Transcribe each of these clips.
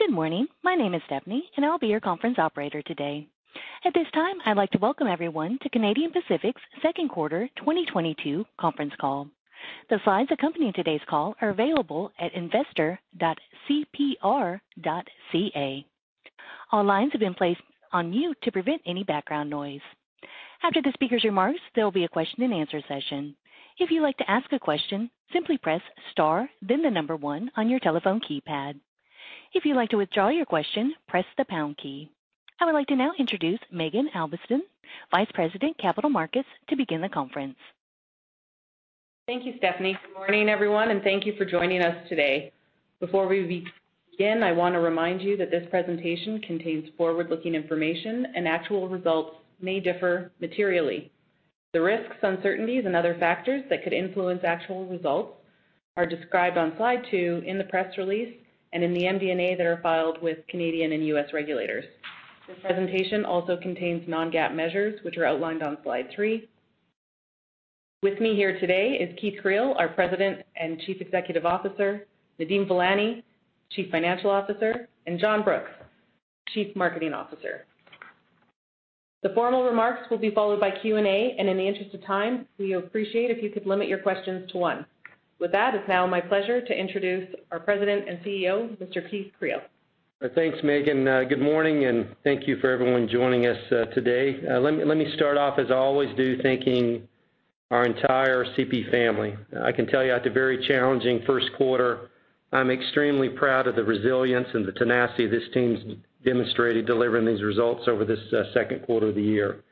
Good morning. My name is Stephanie, and I'll be your conference operator today. At this time, I'd like to welcome everyone to Canadian Pacific's Second Quarter 2022 Conference Call. The slides accompanying today's call are available at investor.cpr.ca. All lines have been placed on mute to prevent any background noise. After the speaker's remarks, there'll be a question-and-answer session. If you'd like to ask a question, simply press star, then the number one on your telephone keypad. If you'd like to withdraw your question, press the pound key. I would like to now introduce Maeghan Albiston, Vice President, Capital Markets, to begin the conference. Thank you, Stephanie. Good morning, everyone, and thank you for joining us today. Before we begin, I wanna remind you that this presentation contains forward-looking information and actual results may differ materially. The risks, uncertainties, and other factors that could influence actual results are described on slide two in the press release and in the MD&A that are filed with Canadian and US regulators. This presentation also contains non-GAAP measures, which are outlined on slide three. With me here today is Keith Creel, our President and Chief Executive Officer, Nadeem Velani, Chief Financial Officer, and John Brooks, Chief Marketing Officer. The formal remarks will be followed by Q&A, and in the interest of time, we appreciate if you could limit your questions to one. With that, it's now my pleasure to introduce our President and CEO, Mr. Keith Creel. Thanks, Megan. Good morning, and thank you for everyone joining us today. Let me start off as I always do, thanking our entire CP family. I can tell you after a very challenging first quarter, I'm extremely proud of the resilience and the tenacity this team's demonstrated delivering these results over this second quarter of the year.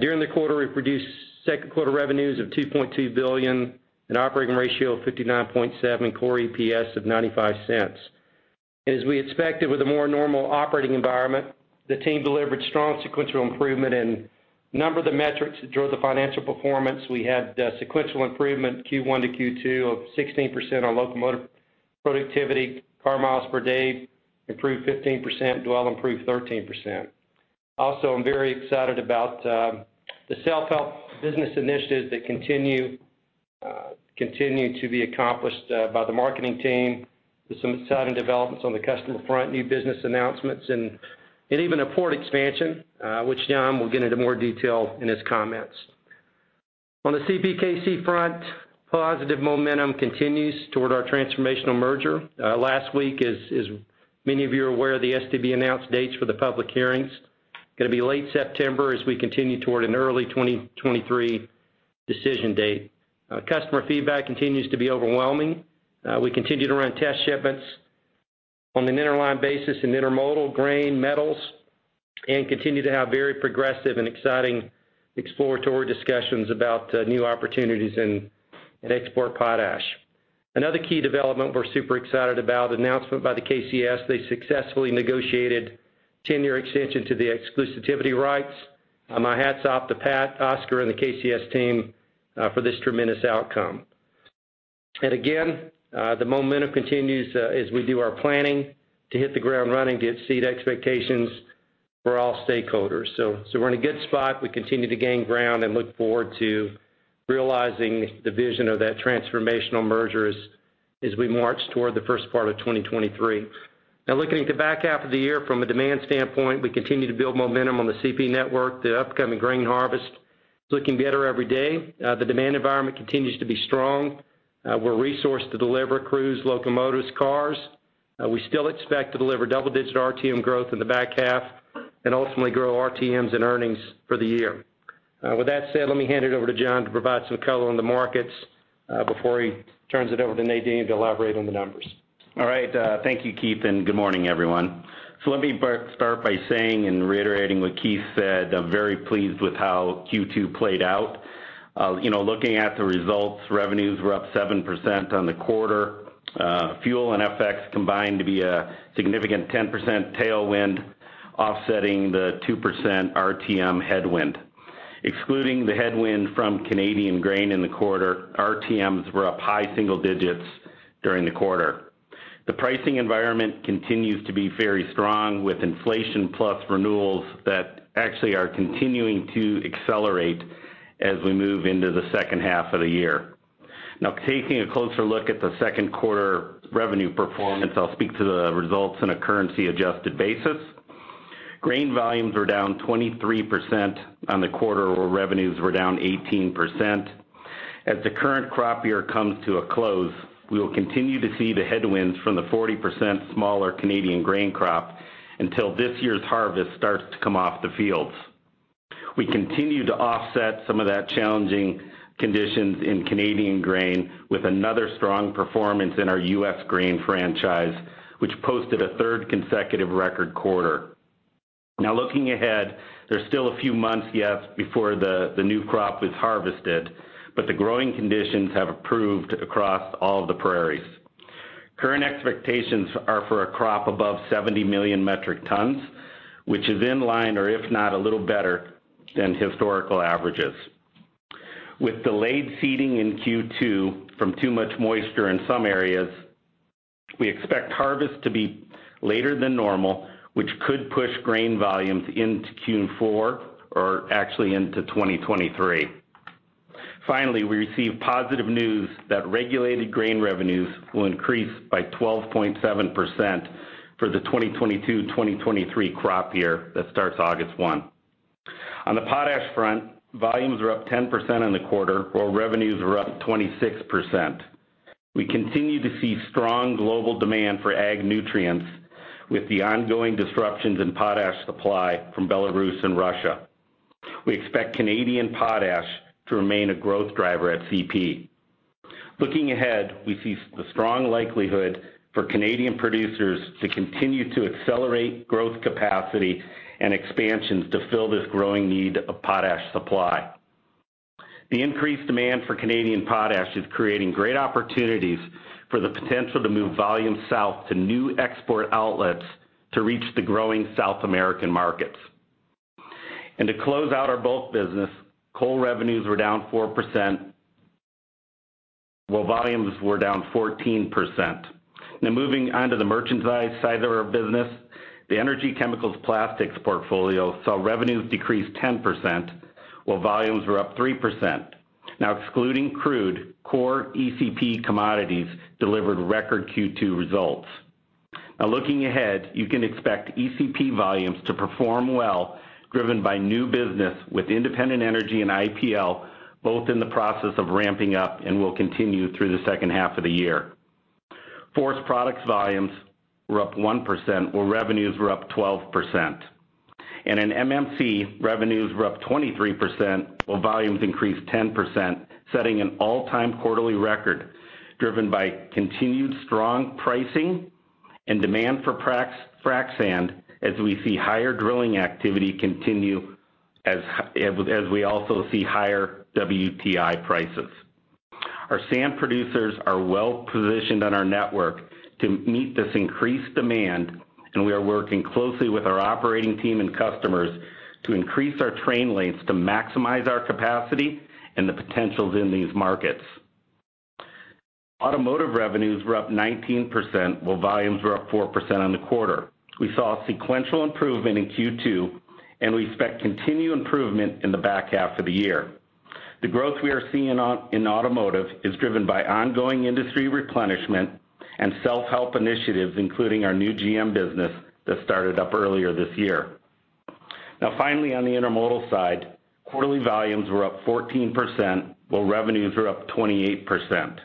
During the quarter, we produced second quarter revenues of 2.2 billion, an operating ratio of 59.7, core EPS of 0.95. As we expected with a more normal operating environment, the team delivered strong sequential improvement in a number of the metrics that drove the financial performance. We had sequential improvement Q1 to Q2 of 16% on locomotive productivity. Car miles per day improved 15%. Dwell improved 13%. Also, I'm very excited about the self-help business initiatives that continue to be accomplished by the marketing team with some exciting developments on the customer front, new business announcements and even a port expansion, which John will get into more detail in his comments. On the CPKC front, positive momentum continues toward our transformational merger. Last week, as many of you are aware, the STB announced dates for the public hearings gonna be late September as we continue toward an early 2023 decision date. Customer feedback continues to be overwhelming. We continue to run test shipments on an interline basis and intermodal grain metals and continue to have very progressive and exciting exploratory discussions about new opportunities in export potash. Another key development we're super excited about, the announcement by the KCS. They successfully negotiated 10-year extension to the exclusivity rights. My hat's off to Pat, Oscar, and the KCS team for this tremendous outcome. Again, the momentum continues as we do our planning to hit the ground running to exceed expectations for all stakeholders. We're in a good spot. We continue to gain ground and look forward to realizing the vision of that transformational merger as we march toward the first part of 2023. Now looking at the back half of the year from a demand standpoint, we continue to build momentum on the CP network. The upcoming grain harvest is looking better every day. The demand environment continues to be strong. We're resourced to deliver crews, locomotives, cars. We still expect to deliver double-digit RTM growth in the back half and ultimately grow RTMs and earnings for the year. With that said, let me hand it over to John to provide some color on the markets, before he turns it over to Nadeem to elaborate on the numbers. All right. Thank you, Keith, and good morning, everyone. Let me start by saying and reiterating what Keith said. I'm very pleased with how Q2 played out. You know, looking at the results, revenues were up 7% on the quarter. Fuel and FX combined to be a significant 10% tailwind, offsetting the 2% RTM headwind. Excluding the headwind from Canadian grain in the quarter, RTMs were up high single digits during the quarter. The pricing environment continues to be very strong with inflation plus renewals that actually are continuing to accelerate as we move into the second half of the year. Now, taking a closer look at the second quarter revenue performance, I'll speak to the results in a currency adjusted basis. Grain volumes were down 23% on the quarter, while revenues were down 18%. As the current crop year comes to a close, we will continue to see the headwinds from the 40% smaller Canadian grain crop until this year's harvest starts to come off the fields. We continue to offset some of that challenging conditions in Canadian grain with another strong performance in our US grain franchise, which posted a third consecutive record quarter. Now looking ahead, there's still a few months yet before the new crop is harvested, but the growing conditions have improved across all of the prairies. Current expectations are for a crop above 70 million metric tons, which is in line or if not a little better than historical averages. With delayed seeding in Q2 from too much moisture in some areas, we expect harvest to be later than normal, which could push grain volumes into Q4 or actually into 2023. Finally, we received positive news that regulated grain revenues will increase by 12.7% for the 2022/2023 crop year that starts August 1. On the potash front, volumes are up 10% in the quarter, while revenues are up 26%. We continue to see strong global demand for AG nutrients, with the ongoing disruptions in potash supply from Belarus and Russia. We expect Canadian potash to remain a growth driver at CP. Looking ahead, we see the strong likelihood for Canadian producers to continue to accelerate growth capacity and expansions to fill this growing need of potash supply. The increased demand for Canadian potash is creating great opportunities for the potential to move volume south to new export outlets to reach the growing South American markets. To close out our bulk business, coal revenues were down 4%, while volumes were down 14%. Now, moving on to the merchandise side of our business, the Energy Chemicals Plastics portfolio saw revenues decrease 10%, while volumes were up 3%. Now, excluding crude, core ECP commodities delivered record Q2 results. Now, looking ahead, you can expect ECP volumes to perform well, driven by new business with Independent Energy and IPL, both in the process of ramping up and will continue through the second half of the year. Forest Products volumes were up 1%, while revenues were up 12%. In MMC, revenues were up 23%, while volumes increased 10%, setting an all-time quarterly record driven by continued strong pricing and demand for frac sand as we see higher drilling activity continue as we also see higher WTI prices. Our sand producers are well positioned on our network to meet this increased demand, and we are working closely with our operating team and customers to increase our train lengths to maximize our capacity and the potentials in these markets. Automotive revenues were up 19%, while volumes were up 4% on the quarter. We saw sequential improvement in Q2, and we expect continued improvement in the back half of the year. The growth we are seeing in automotive is driven by ongoing industry replenishment and self-help initiatives, including our new GM business that started up earlier this year. Now, finally, on the intermodal side, quarterly volumes were up 14%, while revenues were up 28%.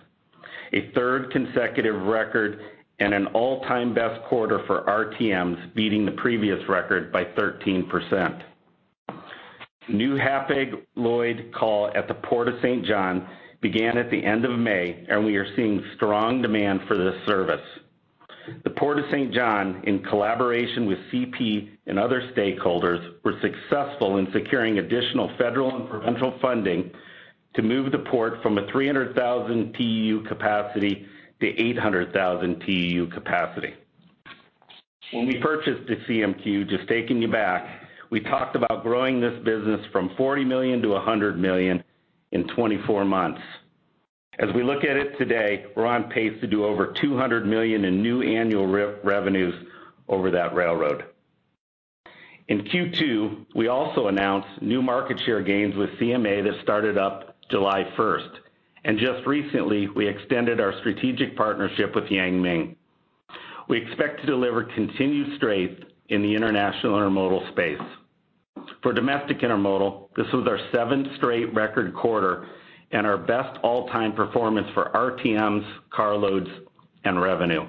A third consecutive record and an all-time best quarter for RTMs, beating the previous record by 13%. New Hapag-Lloyd call at the Port of Saint John began at the end of May, and we are seeing strong demand for this service. The Port of Saint John, in collaboration with CP and other stakeholders, were successful in securing additional federal and provincial funding to move the port from a 300,000 TEU capacity to 800,000 TEU capacity. When we purchased the CMQ, just taking you back, we talked about growing this business from 40 million to 100 million in 24 months. As we look at it today, we're on pace to do over 200 million in new annual revenues over that railroad. In Q2, we also announced new market share gains with CMA that started up July 1st. Just recently, we extended our strategic partnership with Yang Ming. We expect to deliver continued strength in the international intermodal space. For domestic intermodal, this was our seventh straight record quarter and our best all-time performance for RTMs, car loads, and revenue.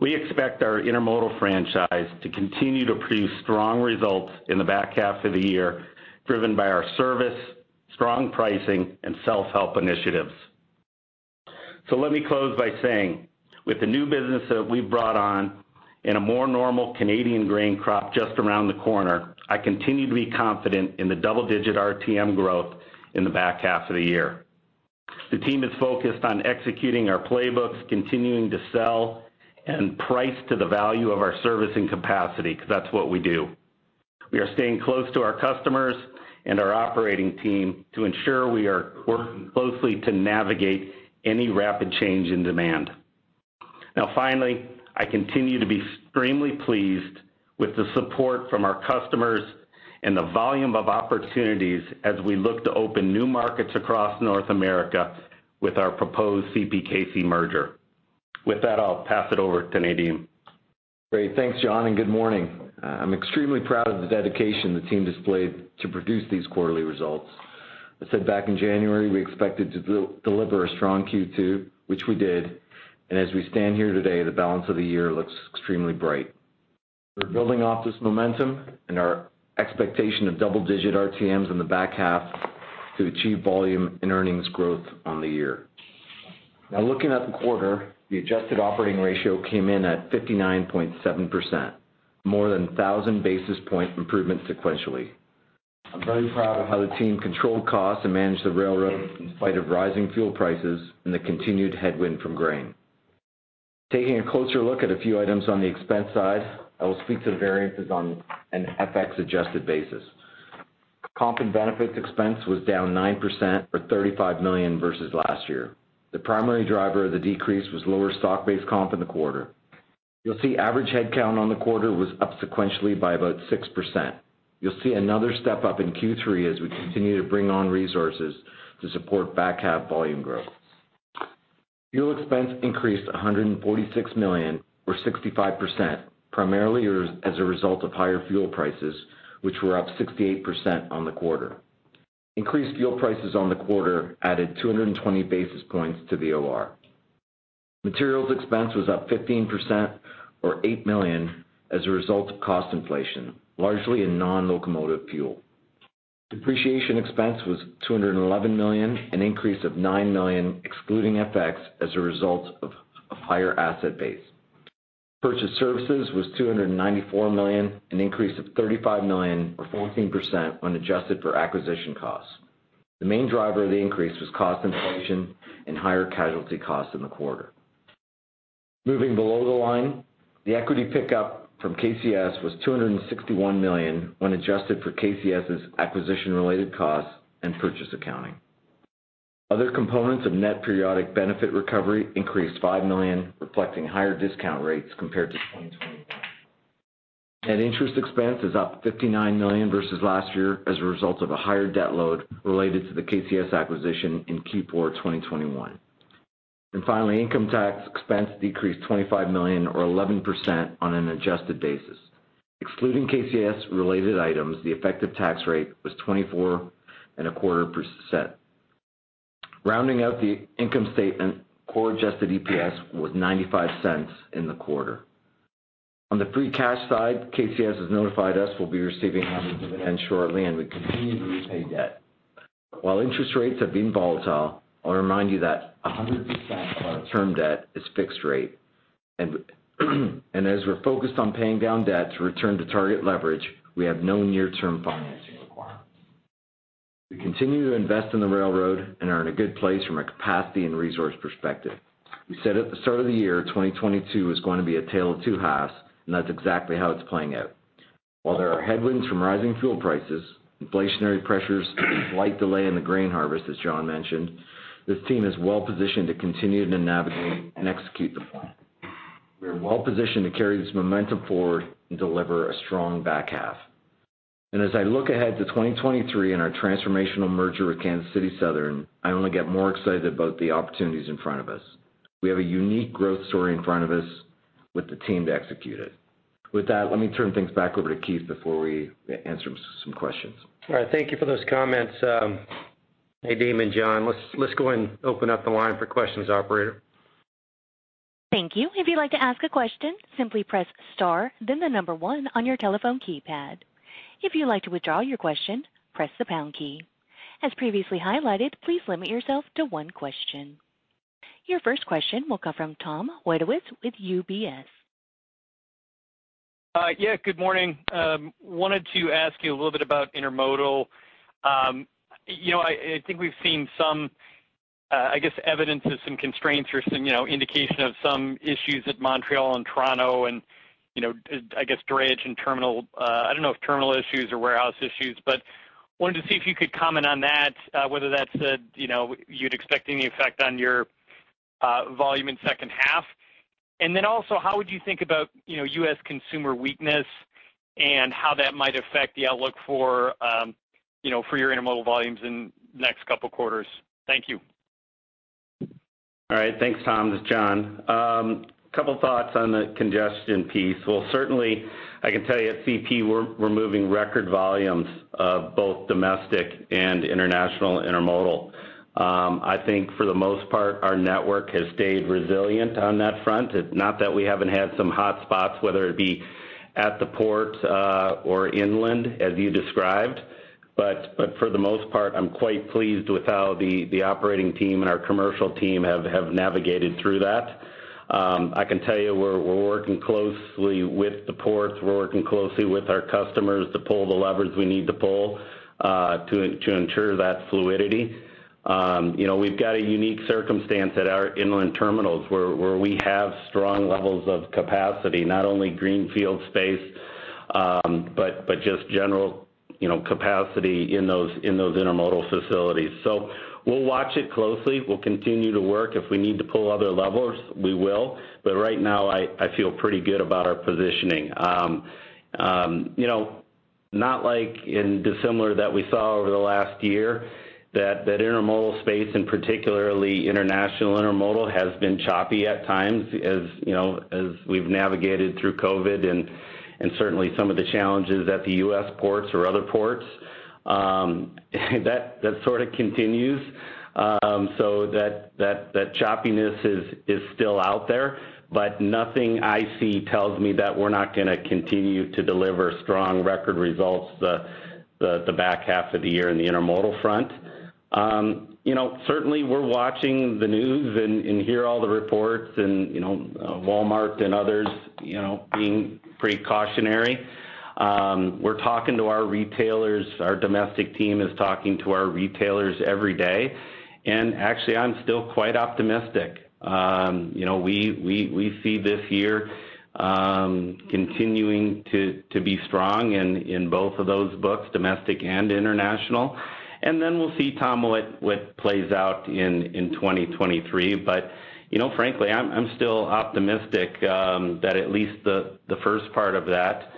We expect our intermodal franchise to continue to produce strong results in the back half of the year, driven by our service, strong pricing, and self-help initiatives. Let me close by saying, with the new business that we've brought on and a more normal Canadian grain crop just around the corner, I continue to be confident in the double-digit RTM growth in the back half of the year. The team is focused on executing our playbooks, continuing to sell and price to the value of our service and capacity because that's what we do. We are staying close to our customers and our operating team to ensure we are working closely to navigate any rapid change in demand. Now, finally, I continue to be extremely pleased with the support from our customers and the volume of opportunities as we look to open new markets across North America with our proposed CPKC merger. With that, I'll pass it over to Nadeem. Great. Thanks, John, and good morning. I'm extremely proud of the dedication the team displayed to produce these quarterly results. I said back in January, we expected to deliver a strong Q2, which we did, and as we stand here today, the balance of the year looks extremely bright. We're building off this momentum and our expectation of double-digit RTMs in the back half to achieve volume and earnings growth on the year. Now, looking at the quarter, the adjusted operating ratio came in at 59.7%, more than 1,000 basis point improvement sequentially. I'm very proud of how the team controlled costs and managed the railroad in spite of rising fuel prices and the continued headwind from grain. Taking a closer look at a few items on the expense side, I will speak to the variances on an FX-adjusted basis. Comp and benefits expense was down 9% or 35 million versus last year. The primary driver of the decrease was lower stock-based comp in the quarter. You'll see average headcount on the quarter was up sequentially by about 6%. You'll see another step-up in Q3 as we continue to bring on resources to support back half volume growth. Fuel expense increased 146 million or 65%, primarily as a result of higher fuel prices, which were up 68% on the quarter. Increased fuel prices on the quarter added 220 basis points to the OR. Materials expense was up 15% or 8 million as a result of cost inflation, largely in non-locomotive fuel. Depreciation expense was 211 million, an increase of 9 million excluding FX as a result of a higher asset base. Purchased services was 294 million, an increase of 35 million or 14% when adjusted for acquisition costs. The main driver of the increase was cost inflation and higher casualty costs in the quarter. Moving below the line, the equity pickup from KCS was 261 million when adjusted for KCS' acquisition related costs and purchase accounting. Other components of net periodic benefit recovery increased 5 million, reflecting higher discount rates compared to 2021. Net interest expense is up 59 million versus last year as a result of a higher debt load related to the KCS acquisition in Q4 2021. Finally, income tax expense decreased 25 million or 11% on an adjusted basis. Excluding KCS related items, the effective tax rate was 24.25%. Rounding out the income statement, core adjusted EPS was 0.95 in the quarter. On the free cash side, KCS has notified us we'll be receiving our dividends shortly, and we continue to repay debt. While interest rates have been volatile, I'll remind you that 100% of our term debt is fixed rate. As we're focused on paying down debt to return to target leverage, we have no near-term financing requirements. We continue to invest in the railroad and are in a good place from a capacity and resource perspective. We said at the start of the year, 2022 is going to be a tale of two halves, and that's exactly how it's playing out. While there are headwinds from rising fuel prices, inflationary pressures, and a slight delay in the grain harvest, as John mentioned, this team is well-positioned to continue to navigate and execute the plan. We are well-positioned to carry this momentum forward and deliver a strong back half. As I look ahead to 2023 and our transformational merger with Kansas City Southern, I only get more excited about the opportunities in front of us. We have a unique growth story in front of us with the team to execute it. With that, let me turn things back over to Keith before we answer some questions. All right. Thank you for those comments. Hey, Dave and John, let's go and open up the line for questions, operator. Thank you. If you'd like to ask a question, simply press star, then one on your telephone keypad. If you'd like to withdraw your question, press the pound key. As previously highlighted, please limit yourself to one question. Your first question will come from Tom Wadewitz with UBS. Yeah, good morning. Wanted to ask you a little bit about intermodal. You know, I think we've seen some, I guess evidence of some constraints or some, you know, indication of some issues at Montreal and Toronto and, you know, I guess drayage and terminal, I don't know if terminal issues or warehouse issues. Wanted to see if you could comment on that, whether that's a, you know, you'd expect any effect on your volume in second half. Then also, how would you think about, you know, US consumer weakness and how that might affect the outlook for, you know, for your intermodal volumes in next couple quarters. Thank you. All right. Thanks, Tom. This is John. Couple thoughts on the congestion piece. Well, certainly, I can tell you at CP, we're moving record volumes of both domestic and international intermodal. I think for the most part, our network has stayed resilient on that front. It's not that we haven't had some hot spots, whether it be at the port, or inland, as you described. For the most part, I'm quite pleased with how the operating team and our commercial team have navigated through that. I can tell you, we're working closely with the ports. We're working closely with our customers to pull the levers we need to pull, to ensure that fluidity. You know, we've got a unique circumstance at our inland terminals where we have strong levels of capacity, not only greenfield space, but just general, you know, capacity in those intermodal facilities. We'll watch it closely. We'll continue to work. If we need to pull other levers, we will. Right now, I feel pretty good about our positioning. You know, not like and dissimilar that we saw over the last year that intermodal space and particularly international intermodal has been choppy at times as you know as we've navigated through COVID and certainly some of the challenges at the US ports or other ports, that sort of continues. That choppiness is still out there. Nothing I see tells me that we're not gonna continue to deliver strong record results the back half of the year in the intermodal front. You know, certainly we're watching the news and hear all the reports and, you know, Walmart and others, you know, being precautionary. We're talking to our retailers. Our domestic team is talking to our retailers every day. Actually, I'm still quite optimistic. You know, we see this year continuing to be strong in both of those books, domestic and international. Then we'll see, Tom, what plays out in 2023. You know, frankly, I'm still optimistic that at least the first part of that,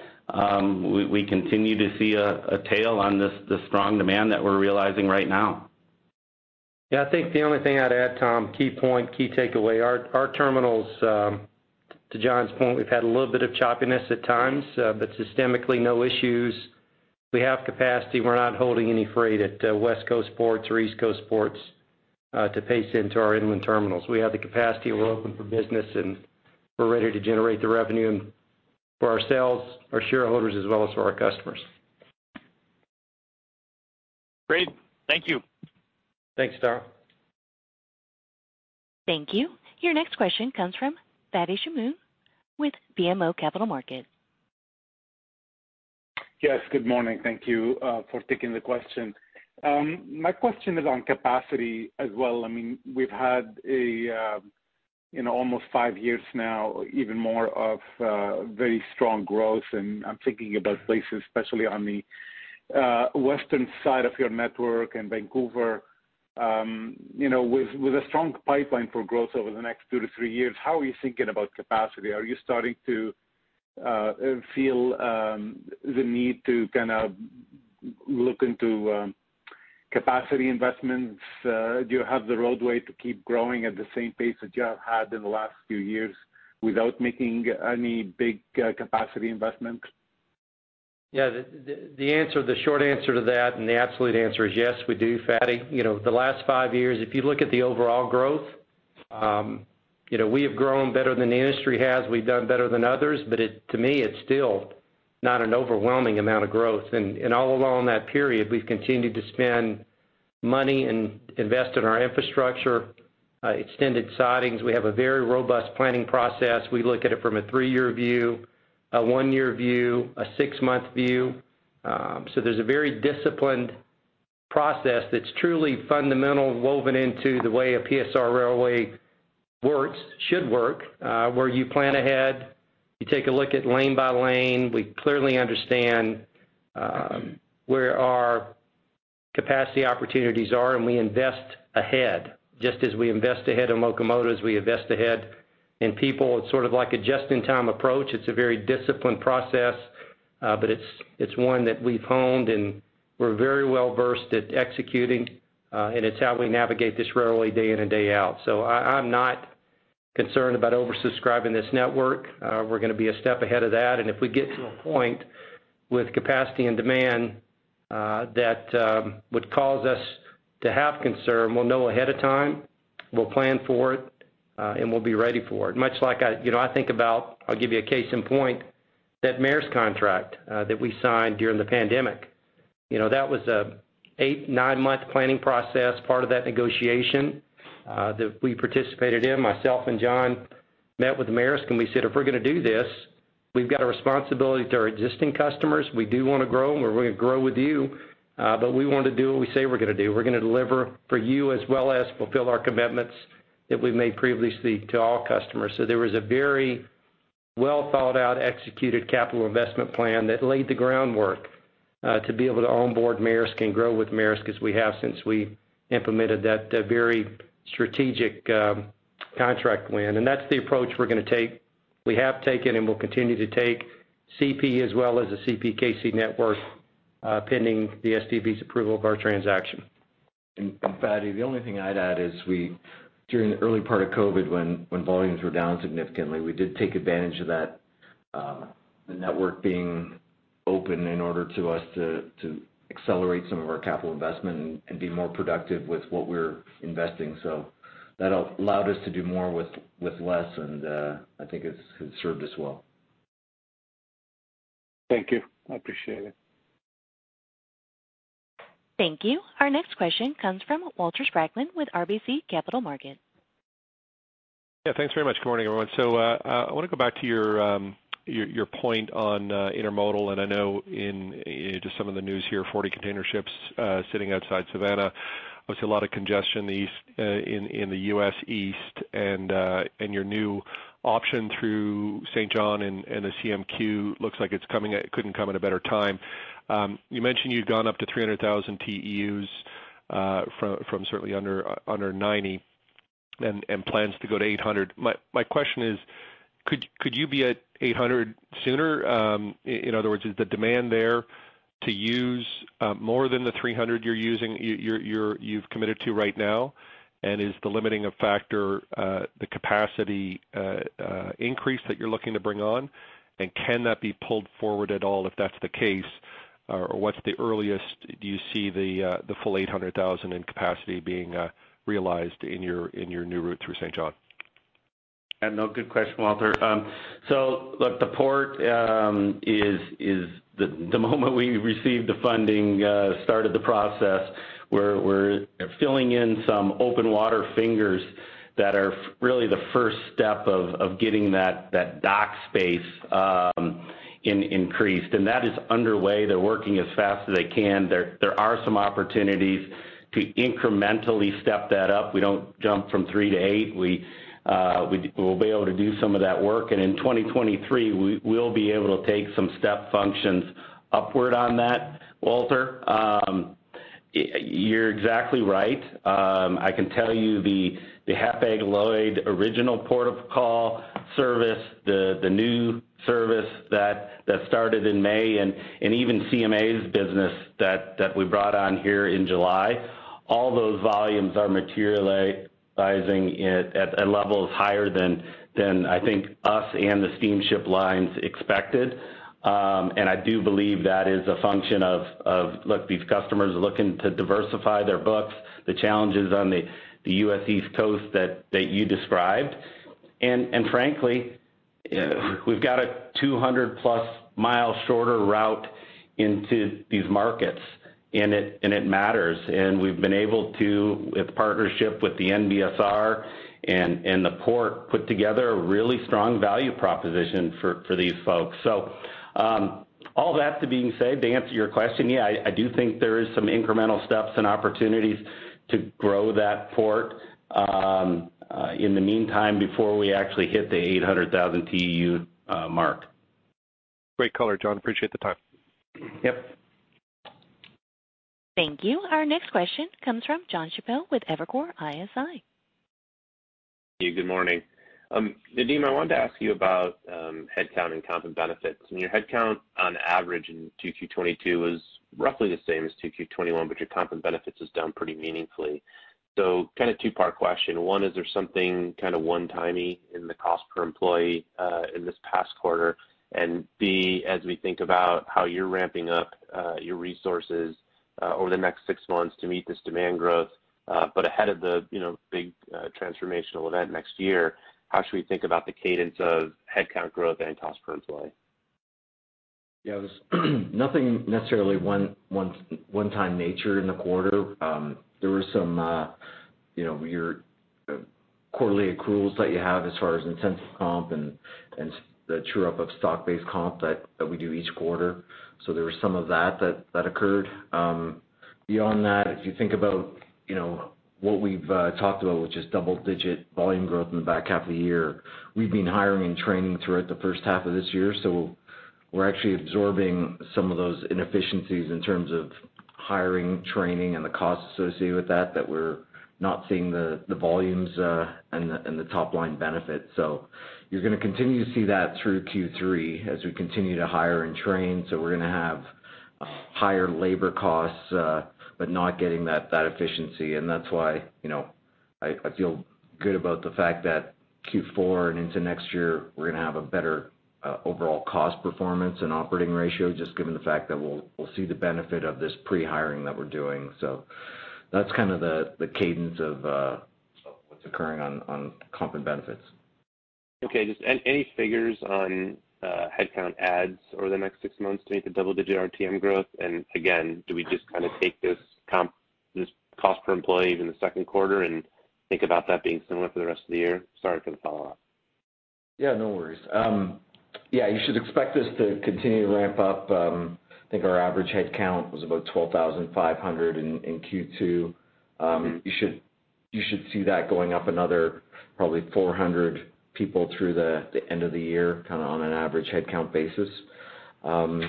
we continue to see a tail on this, the strong demand that we're realizing right now. Yeah. I think the only thing I'd add, Tom, key point, key takeaway. Our terminals, to John's point, we've had a little bit of choppiness at times, but systemically, no issues. We have capacity. We're not holding any freight at West Coast ports or East Coast ports, to pace into our inland terminals. We have the capacity. We're open for business, and we're ready to generate the revenue and for ourselves, our shareholders as well as for our customers. Great. Thank you. Thanks, Tom. Thank you. Your next question comes from Fadi Chamoun with BMO Capital Markets. Yes, good morning. Thank you for taking the question. My question is on capacity as well. I mean, we've had almost five years now, even more of very strong growth, and I'm thinking about places, especially on the western side of your network in Vancouver, you know, with a strong pipeline for growth over the next two to three years, how are you thinking about capacity? Are you starting to feel the need to kind of look into capacity investments? Do you have the roadway to keep growing at the same pace that you have had in the last few years without making any big capacity investments? Yeah, the short answer to that, and the absolute answer is yes, we do, Fadi. You know, the last five years, if you look at the overall growth, you know, we have grown better than the industry has. We've done better than others, but it, to me, it's still not an overwhelming amount of growth. All along that period, we've continued to spend money and invest in our infrastructure, extended sidings. We have a very robust planning process. We look at it from a three-year view, a one-year view, a six-month view. So there's a very disciplined process that's truly fundamental, woven into the way a PSR railway works, should work, where you plan ahead, you take a look at lane by lane. We clearly understand where our capacity opportunities are, and we invest ahead. Just as we invest ahead in locomotives, we invest ahead in people. It's sort of like a just-in-time approach. It's a very disciplined process, but it's one that we've honed and we're very well-versed at executing. It's how we navigate this railway day in and day out. I'm not concerned about oversubscribing this network. We're gonna be a step ahead of that. If we get to a point with capacity and demand that would cause us to have concern, we'll know ahead of time, we'll plan for it, and we'll be ready for it. Much like you know, I'll give you a case in point, that Maersk contract that we signed during the pandemic. You know, that was an eight-nine month planning process, part of that negotiation that we participated in. Myself and John met with Maersk, and we said, "If we're gonna do this, we've got a responsibility to our existing customers. We do wanna grow, and we're gonna grow with you, but we wanna do what we say we're gonna do. We're gonna deliver for you as well as fulfill our commitments that we've made previously to all customers." There was a very well-thought-out, executed capital investment plan that laid the groundwork to be able to onboard Maersk and grow with Maersk as we have since we implemented that very strategic contract win. That's the approach we're gonna take. We have taken and will continue to take CP as well as the CPKC network, pending the STB's approval of our transaction. Fadi, the only thing I'd add is during the early part of COVID, when volumes were down significantly, we did take advantage of that, the network being open in order for us to accelerate some of our capital investment and be more productive with what we're investing. That allowed us to do more with less, and I think it's served us well. Thank you. I appreciate it. Thank you. Our next question comes from Walter Spracklin with RBC Capital Markets. Yeah, thanks very much. Good morning, everyone. I wanna go back to your point on intermodal. I know in just some of the news here, 40 container ships sitting outside Savannah. Obviously, a lot of congestion these in the US East and your new option through Saint John and the CMQ looks like it's coming. It couldn't come at a better time. You mentioned you'd gone up to 300,000 TEUs from certainly under 90 and plans to go to 800. My question is: Could you be at 800 sooner? In other words, is the demand there to use more than the 300 you're using. You've committed to right now? Is the limiting factor the capacity increase that you're looking to bring on? Can that be pulled forward at all, if that's the case? What's the earliest that you see the full 800,000 in capacity being realized in your new route through Saint John? No. Good question, Walter. Look, the port is the moment we received the funding, started the process. We're filling in some open water fingers that are really the first step of getting that dock space. Increased, and that is underway. They're working as fast as they can. There are some opportunities to incrementally step that up. We don't jump from three to eight. We'll be able to do some of that work. In 2023, we will be able to take some step functions upward on that, Walter. You're exactly right. I can tell you the Hapag-Lloyd original port of call service, the new service that started in May and even CMA's business that we brought on here in July, all those volumes are materializing at levels higher than I think us and the steamship lines expected. I do believe that is a function of, look, these customers are looking to diversify their books, the challenges on the US East Coast that you described. Frankly, we've got a 200-plus-mile shorter route into these markets, and it matters. We've been able to, in partnership with the NBSR and the port, put together a really strong value proposition for these folks. All that being said, to answer your question, yeah, I do think there is some incremental steps and opportunities to grow that port, in the meantime, before we actually hit the 800,000 TEU mark. Great color, John. Appreciate the time. Yep. Thank you. Our next question comes from Jon Chappell with Evercore ISI. Hey, good morning. Nadeem, I wanted to ask you about headcount and comp and benefits. Your headcount on average in 2Q 2022 was roughly the same as 2Q 2021, but your comp and benefits is down pretty meaningfully. Kind of two-part question. One, is there something kinda one-timey in the cost per employee in this past quarter? B, as we think about how you're ramping up your resources over the next six months to meet this demand growth, but ahead of the, you know, big transformational event next year, how should we think about the cadence of headcount growth and cost per employee? Yeah. Nothing necessarily one-time nature in the quarter. There was some, you know, your quarterly accruals that you have as far as incentive comp and the true-up of stock-based comp that we do each quarter. There was some of that that occurred. Beyond that, if you think about, you know, what we've talked about, which is double digit volume growth in the back half of the year, we've been hiring and training throughout the first half of this year. We're actually absorbing some of those inefficiencies in terms of hiring, training, and the costs associated with that that we're not seeing the volumes and the top line benefit. You're gonna continue to see that through Q3 as we continue to hire and train. We're gonna have higher labor costs, but not getting that efficiency. That's why, you know, I feel good about the fact that Q4 and into next year, we're gonna have a better overall cost performance and operating ratio, just given the fact that we'll see the benefit of this pre-hiring that we're doing. That's kind of the cadence of what's occurring on comp and benefits. Okay, just any figures on headcount adds over the next six months to meet the double-digit RTM growth? Again, do we just kinda take this comp, this cost per employee in the second quarter and think about that being similar for the rest of the year? Sorry for the follow-up. Yeah, no worries. Yeah, you should expect us to continue to ramp up. I think our average headcount was about 12,500 in Q2. You should see that going up another probably 400 people through the end of the year, kinda on an average headcount basis. What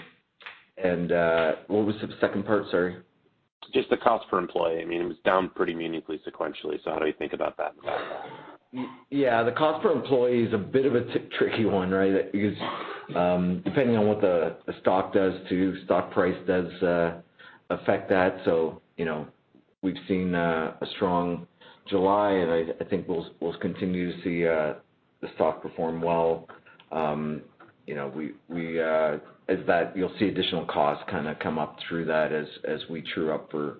was the second part? Sorry. Just the cost per employee. I mean, it was down pretty meaningfully sequentially. How do we think about that going forward? Yeah. The cost per employee is a bit of a tricky one, right? Because depending on what the stock price does, affect that. You know, we've seen a strong July, and I think we'll continue to see the stock perform well. You know, as that, you'll see additional costs kinda come up through that as we true up for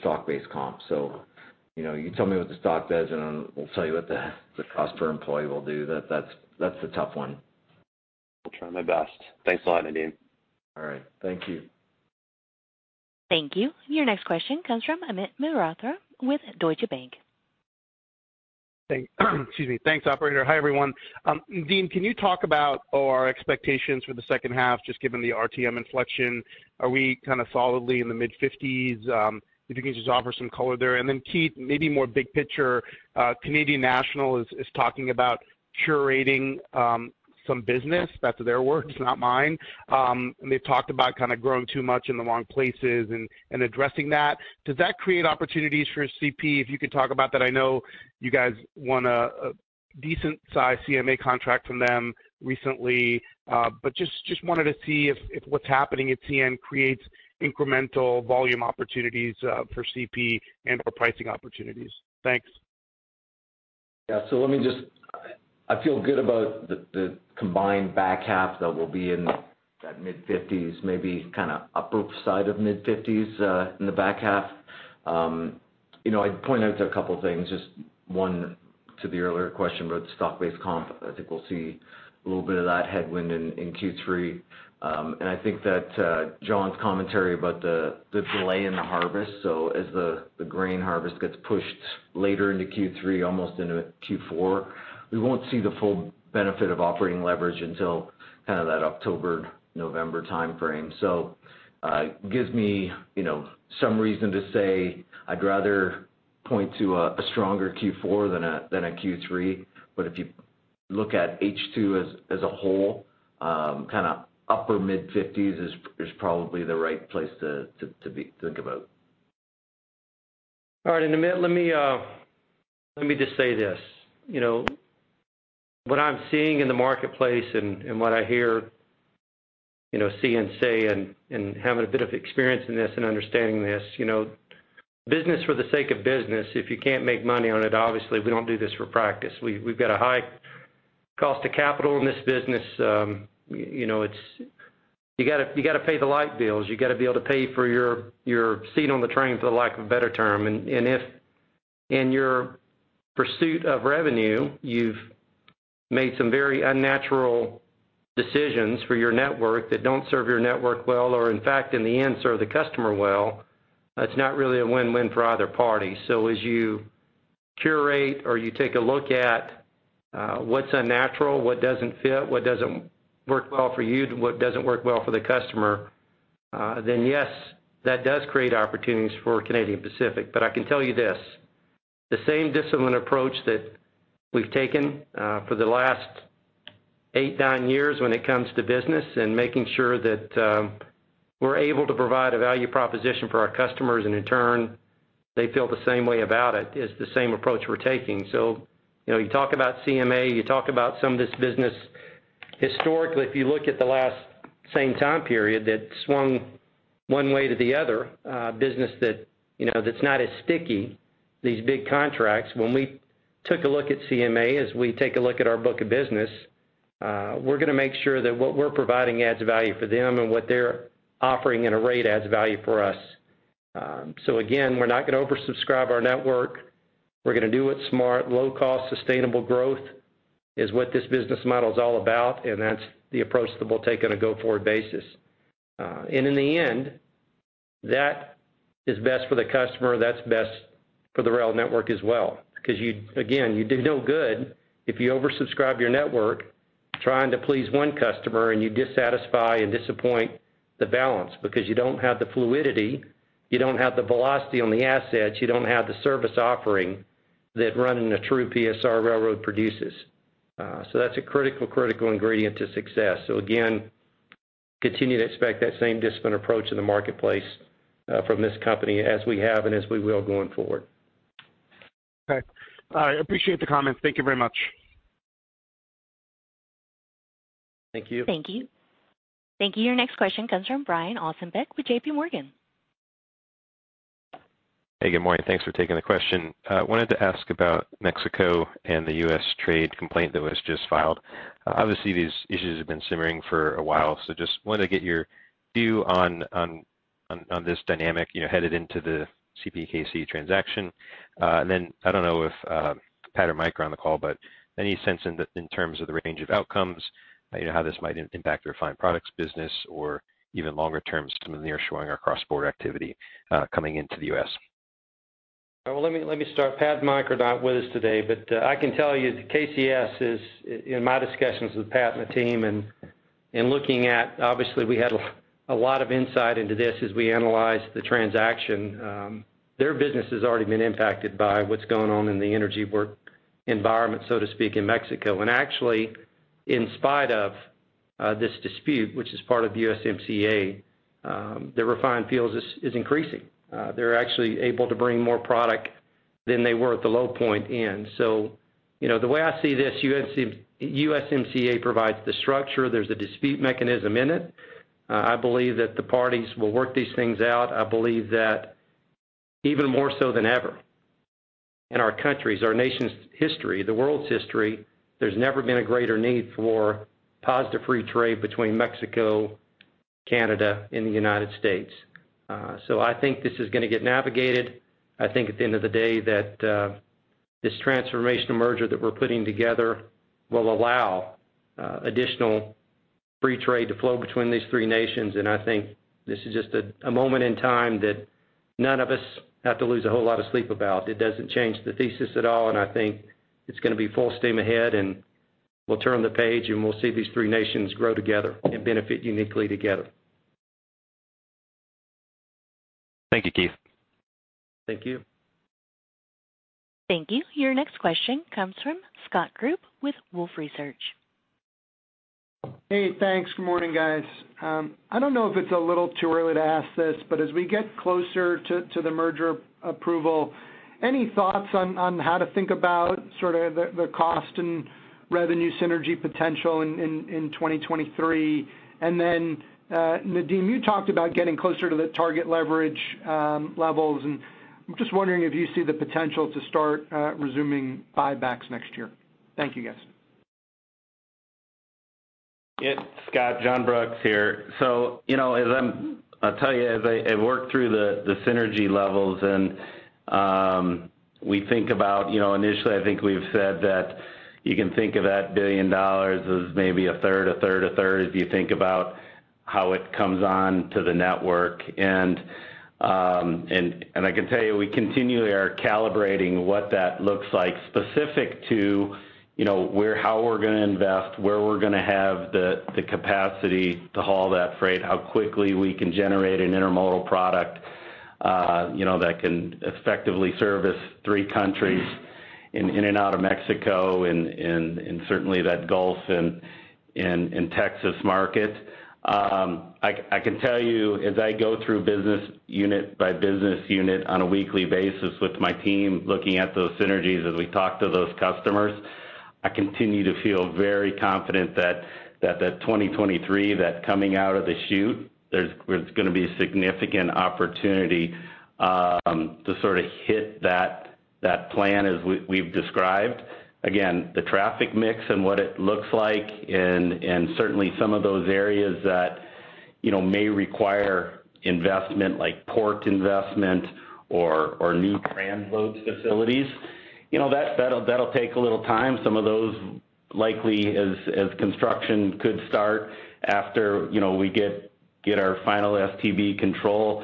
stock-based comp. You know, you tell me what the stock does, and I'll tell you what the cost per employee will do. That's a tough one. I'll try my best. Thanks a lot, Nadeem. All right. Thank you. Thank you. Your next question comes from Amit Mehrotra with Deutsche Bank. Excuse me. Thanks, operator. Hi, everyone. Nadeem, can you talk about our expectations for the second half, just given the RTM inflection? Are we kinda solidly in the mid-fifties? If you can just offer some color there. Keith, maybe more big picture, Canadian National is talking about curating some business. That's their words, not mine. They've talked about kinda growing too much in the wrong places and addressing that. Does that create opportunities for CP? If you could talk about that. I know you guys won a decent size CMA contract from them recently. Just wanted to see if what's happening at CN creates incremental volume opportunities for CP and/or pricing opportunities. Thanks. I feel good about the combined back half that we'll be in that mid-fifties, maybe kinda upper side of mid-fifties, in the back half. You know, I'd point out to a couple things. Just one to the earlier question about stock-based comp. I think we'll see a little bit of that headwind in Q3. I think that John's commentary about the delay in the harvest, so as the grain harvest gets pushed later into Q3, almost into Q4, we won't see the full benefit of operating leverage until kind of that October, November time frame. Gives me, you know, some reason to say I'd rather point to a stronger Q4 than a Q3. If you look at H2 as a whole, kind of upper mid-fifties is probably the right place to think about. All right. Let me just say this. You know, what I'm seeing in the marketplace and what I hear, you know, see and say, and having a bit of experience in this and understanding this, you know, business for the sake of business, if you can't make money on it, obviously we don't do this for practice. We've got a high cost of capital in this business. You know, it's you gotta pay the light bills, you gotta be able to pay for your seat on the train for lack of a better term. If in your pursuit of revenue, you've made some very unnatural decisions for your network that don't serve your network well, or in fact, in the end, serve the customer well, that's not really a win-win for either party. As you curate or you take a look at what's unnatural, what doesn't fit, what doesn't work well for you, what doesn't work well for the customer, then yes, that does create opportunities for Canadian Pacific. But I can tell you this, the same disciplined approach that we've taken for the last eight, nine years when it comes to business and making sure that we're able to provide a value proposition for our customers, and in turn they feel the same way about it, is the same approach we're taking. You know, you talk about CMA, you talk about some of this business historically, if you look at the last same time period that swung one way to the other, business that, you know, that's not as sticky, these big contracts. When we took a look at CMA, as we take a look at our book of business, we're gonna make sure that what we're providing adds value for them, and what they're offering in a rate adds value for us. Again, we're not gonna oversubscribe our network. We're gonna do it smart. Low-cost sustainable growth is what this business model is all about, and that's the approach that we'll take on a go-forward basis. In the end, that is best for the customer, that's best for the rail network as well, because again, you do no good if you oversubscribe your network trying to please one customer and you dissatisfy and disappoint the balance because you don't have the fluidity, you don't have the velocity on the assets, you don't have the service offering that running a true PSR railroad produces. That's a critical ingredient to success. Again, continue to expect that same disciplined approach in the marketplace from this company as we have and as we will going forward. Okay. All right. I appreciate the comments. Thank you very much. Thank you. Thank you. Your next question comes from Brian Ossenbeck with JPMorgan. Hey, good morning. Thanks for taking the question. I wanted to ask about Mexico and the US trade complaint that was just filed. Obviously, these issues have been simmering for a while, so just wanted to get your view on this dynamic, you know, headed into the CPKC transaction. I don't know if Pat or Mike are on the call, but any sense in terms of the range of outcomes, you know, how this might impact your refined products business or even longer term, some of the nearshoring or cross-border activity coming into the US? Well, let me start. Pat and Mike are not with us today, but I can tell you that in my discussions with Pat and the team and obviously we had a lot of insight into this as we analyzed the transaction. Their business has already been impacted by what's going on in the energy work environment, so to speak, in Mexico. Actually, in spite of this dispute, which is part of the USMCA, the refined fuels is increasing. They're actually able to bring more product than they were at the low point in. You know, the way I see this, USMCA provides the structure. There's a dispute mechanism in it. I believe that the parties will work these things out. I believe that even more so than ever in our country's, our nation's history, the world's history, there's never been a greater need for positive free trade between Mexico, Canada, and the United States. I think this is gonna get navigated. I think at the end of the day that this transformational merger that we're putting together will allow additional free trade to flow between these three nations. I think this is just a moment in time that none of us have to lose a whole lot of sleep about. It doesn't change the thesis at all, and I think it's gonna be full steam ahead, and we'll turn the page and we'll see these three nations grow together and benefit uniquely together. Thank you, Keith. Thank you. Thank you. Your next question comes from Scott Group with Wolfe Research. Hey, thanks. Good morning, guys. I don't know if it's a little too early to ask this, but as we get closer to the merger approval, any thoughts on how to think about sort of the cost and revenue synergy potential in 2023? Nadeem, you talked about getting closer to the target leverage levels, and I'm just wondering if you see the potential to start resuming buybacks next year. Thank you, guys. Yes, Scott, John Brooks here. You know, I'll tell you as I worked through the synergy levels and we think about, you know, initially, I think we've said that you can think of 1 billion dollars as maybe a third, if you think about how it comes on to the network. I can tell you, we continually are calibrating what that looks like specific to, you know, where, how we're gonna invest, where we're gonna have the capacity to haul that freight, how quickly we can generate an intermodal product, you know, that can effectively service three countries in and out of Mexico and certainly that Gulf and Texas market. I can tell you, as I go through business unit by business unit on a weekly basis with my team, looking at those synergies as we talk to those customers, I continue to feel very confident that the 2023 that's coming out of the chute, there's gonna be significant opportunity to sort of hit that plan as we've described. Again, the traffic mix and what it looks like, and certainly some of those areas that, you know, may require investment like port investment or new transload facilities. You know, that'll take a little time. Some of those likely as construction could start after, you know, we get our final STB control,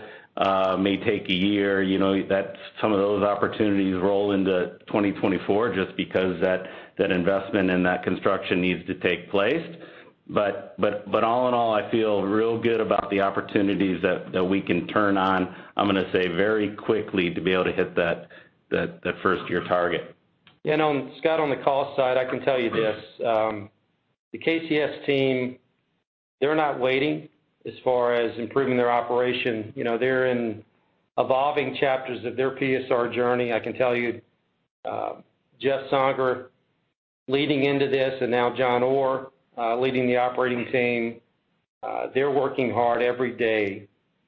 may take a year. You know, that's some of those opportunities roll into 2024 just because that investment and that construction needs to take place. All in all, I feel real good about the opportunities that we can turn on, I'm gonna say very quickly to be able to hit that first-year target. Scott, on the cost side, I can tell you this, the KCS team, they're not waiting as far as improving their operation. You know, they're in evolving chapters of their PSR journey. I can tell you, Jeff Songer leading into this, and now John Orr, leading the operating team, they're working hard every day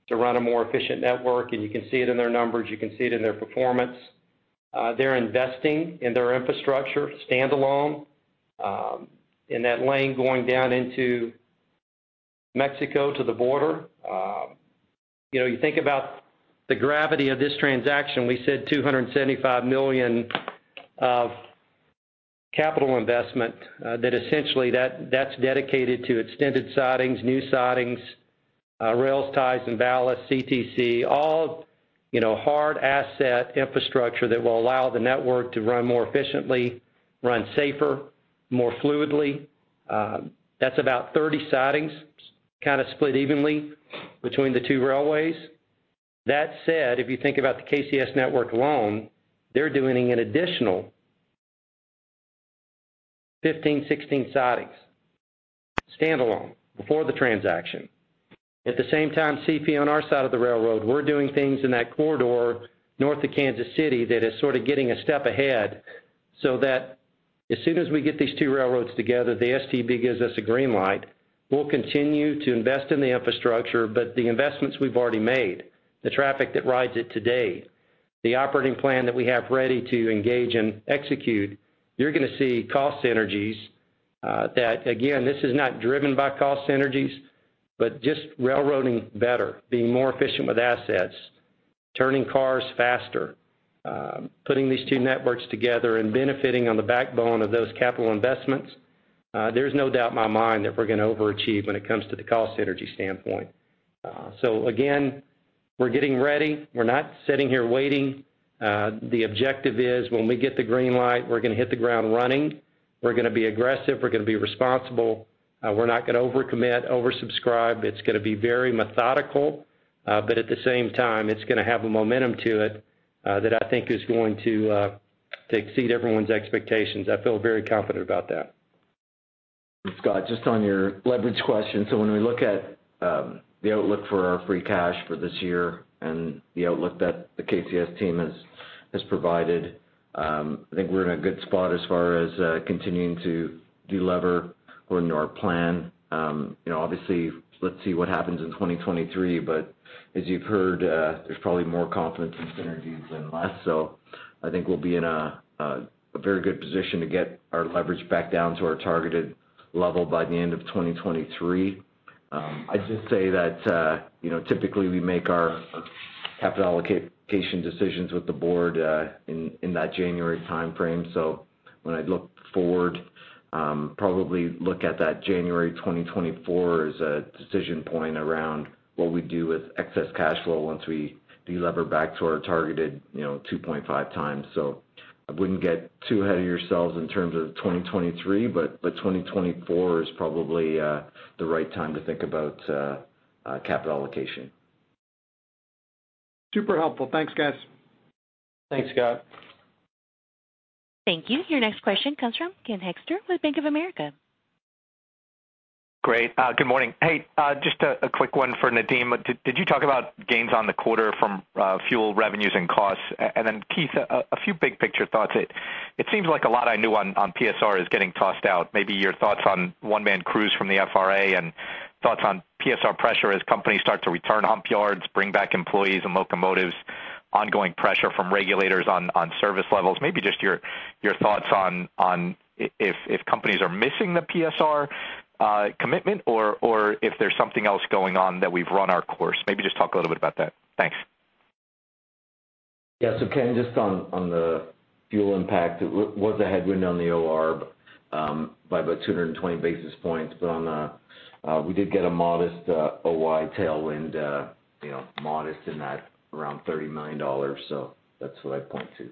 to run a more efficient network, and you can see it in their numbers, you can see it in their performance. They're investing in their infrastructure standalone, in that lane going down into Mexico to the border. You know, you think about the gravity of this transaction, we said 275 million of capital investment, that essentially that's dedicated to extended sidings, new sidings, rails, ties, and ballast, CTC, all, you know, hard asset infrastructure that will allow the network to run more efficiently, run safer, more fluidly. That's about 30 sidings, kind of split evenly between the two railways. That said, if you think about the KCS network alone, they're doing an additional 15, 16 sidings standalone before the transaction. At the same time, CP on our side of the railroad, we're doing things in that corridor north of Kansas City that is sort of getting a step ahead, so that as soon as we get these two railroads together, the STB gives us a green light, we'll continue to invest in the infrastructure. The investments we've already made, the traffic that rides it today, the operating plan that we have ready to engage and execute, you're gonna see cost synergies, that again, this is not driven by cost synergies, but just railroading better, being more efficient with assets, turning cars faster, putting these two networks together and benefiting on the backbone of those capital investments. There's no doubt in my mind that we're gonna overachieve when it comes to the cost synergy standpoint. So again, we're getting ready. We're not sitting here waiting. The objective is when we get the green light, we're gonna hit the ground running. We're gonna be aggressive, we're gonna be responsible. We're not gonna overcommit, oversubscribe. It's gonna be very methodical, but at the same time, it's gonna have a momentum to it, that I think is going to exceed everyone's expectations. I feel very confident about that. Scott, just on your leverage question. When we look at the outlook for our free cash for this year and the outlook that the KCS team has provided, I think we're in a good spot as far as continuing to delever according to our plan. You know, obviously, let's see what happens in 2023, but as you've heard, there's probably more confidence in synergies than less. I think we'll be in a very good position to get our leverage back down to our targeted level by the end of 2023. I'd just say that, you know, typically we make our capital allocation decisions with the board in that January timeframe. When I look forward, probably look at that January 2024 as a decision point around what we do with excess cash flow once we delever back to our targeted, you know, 2.5 times. I wouldn't get too ahead of yourselves in terms of 2023, but 2024 is probably the right time to think about capital allocation. Super helpful. Thanks, guys. Thanks, Scott. Thank you. Your next question comes from Ken Hoexter with Bank of America. Great. Good morning. Hey, just a quick one for Nadeem. Did you talk about gains on the quarter from fuel revenues and costs? Keith, a few big picture thoughts. It seems like a lot I know on PSR is getting tossed out. Maybe your thoughts on one-man crews from the FRA and thoughts on PSR pressure as companies start to return hump yards, bring back employees and locomotives, ongoing pressure from regulators on service levels. Maybe just your thoughts on if companies are missing the PSR commitment or if there's something else going on that it's run its course. Maybe just talk a little bit about that. Thanks. Yeah. Ken, just on the fuel impact, it was a headwind on the OR by about 220 basis points. But on the, we did get a modest OI tailwind, you know, modest in that around $30 million. That's what I'd point to.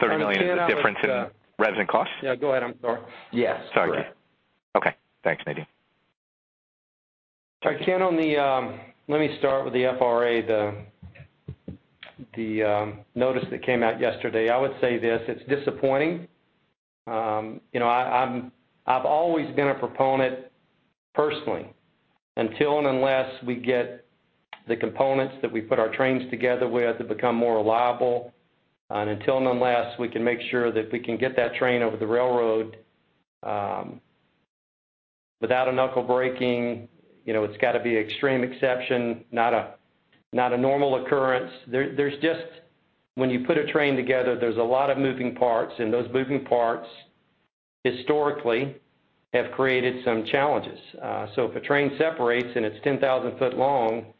30 million is the difference in revenue costs? Yeah, go ahead. I'm sorry. Yes, correct. Sorry. Okay. Thanks, Nadeem. Ken, on the, let me start with the FRA, notice that came out yesterday. I would say this, it's disappointing. You know, I've always been a proponent, personally, until and unless we get the components that we put our trains together with to become more reliable, and until and unless we can make sure that we can get that train over the railroad, without a knuckle breaking, you know, it's gotta be extreme exception, not a normal occurrence. There's just when you put a train together, there's a lot of moving parts, and those moving parts historically have created some challenges. So if a train separates and it's 10,000-foot long,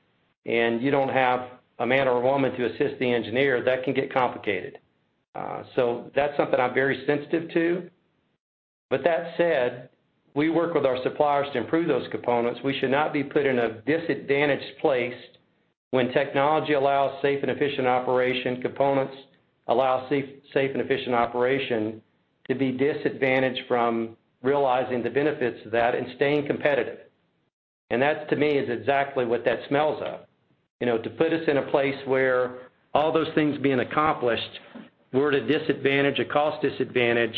and you don't have a man or a woman to assist the engineer, that can get complicated. So that's something I'm very sensitive to. That said, we work with our suppliers to improve those components. We should not be put in a disadvantaged place when technology allows safe and efficient operation, components allow safe and efficient operation to be disadvantaged from realizing the benefits of that and staying competitive. That's to me is exactly what that smells of. You know, to put us in a place where all those things being accomplished, we're at a disadvantage, a cost disadvantage.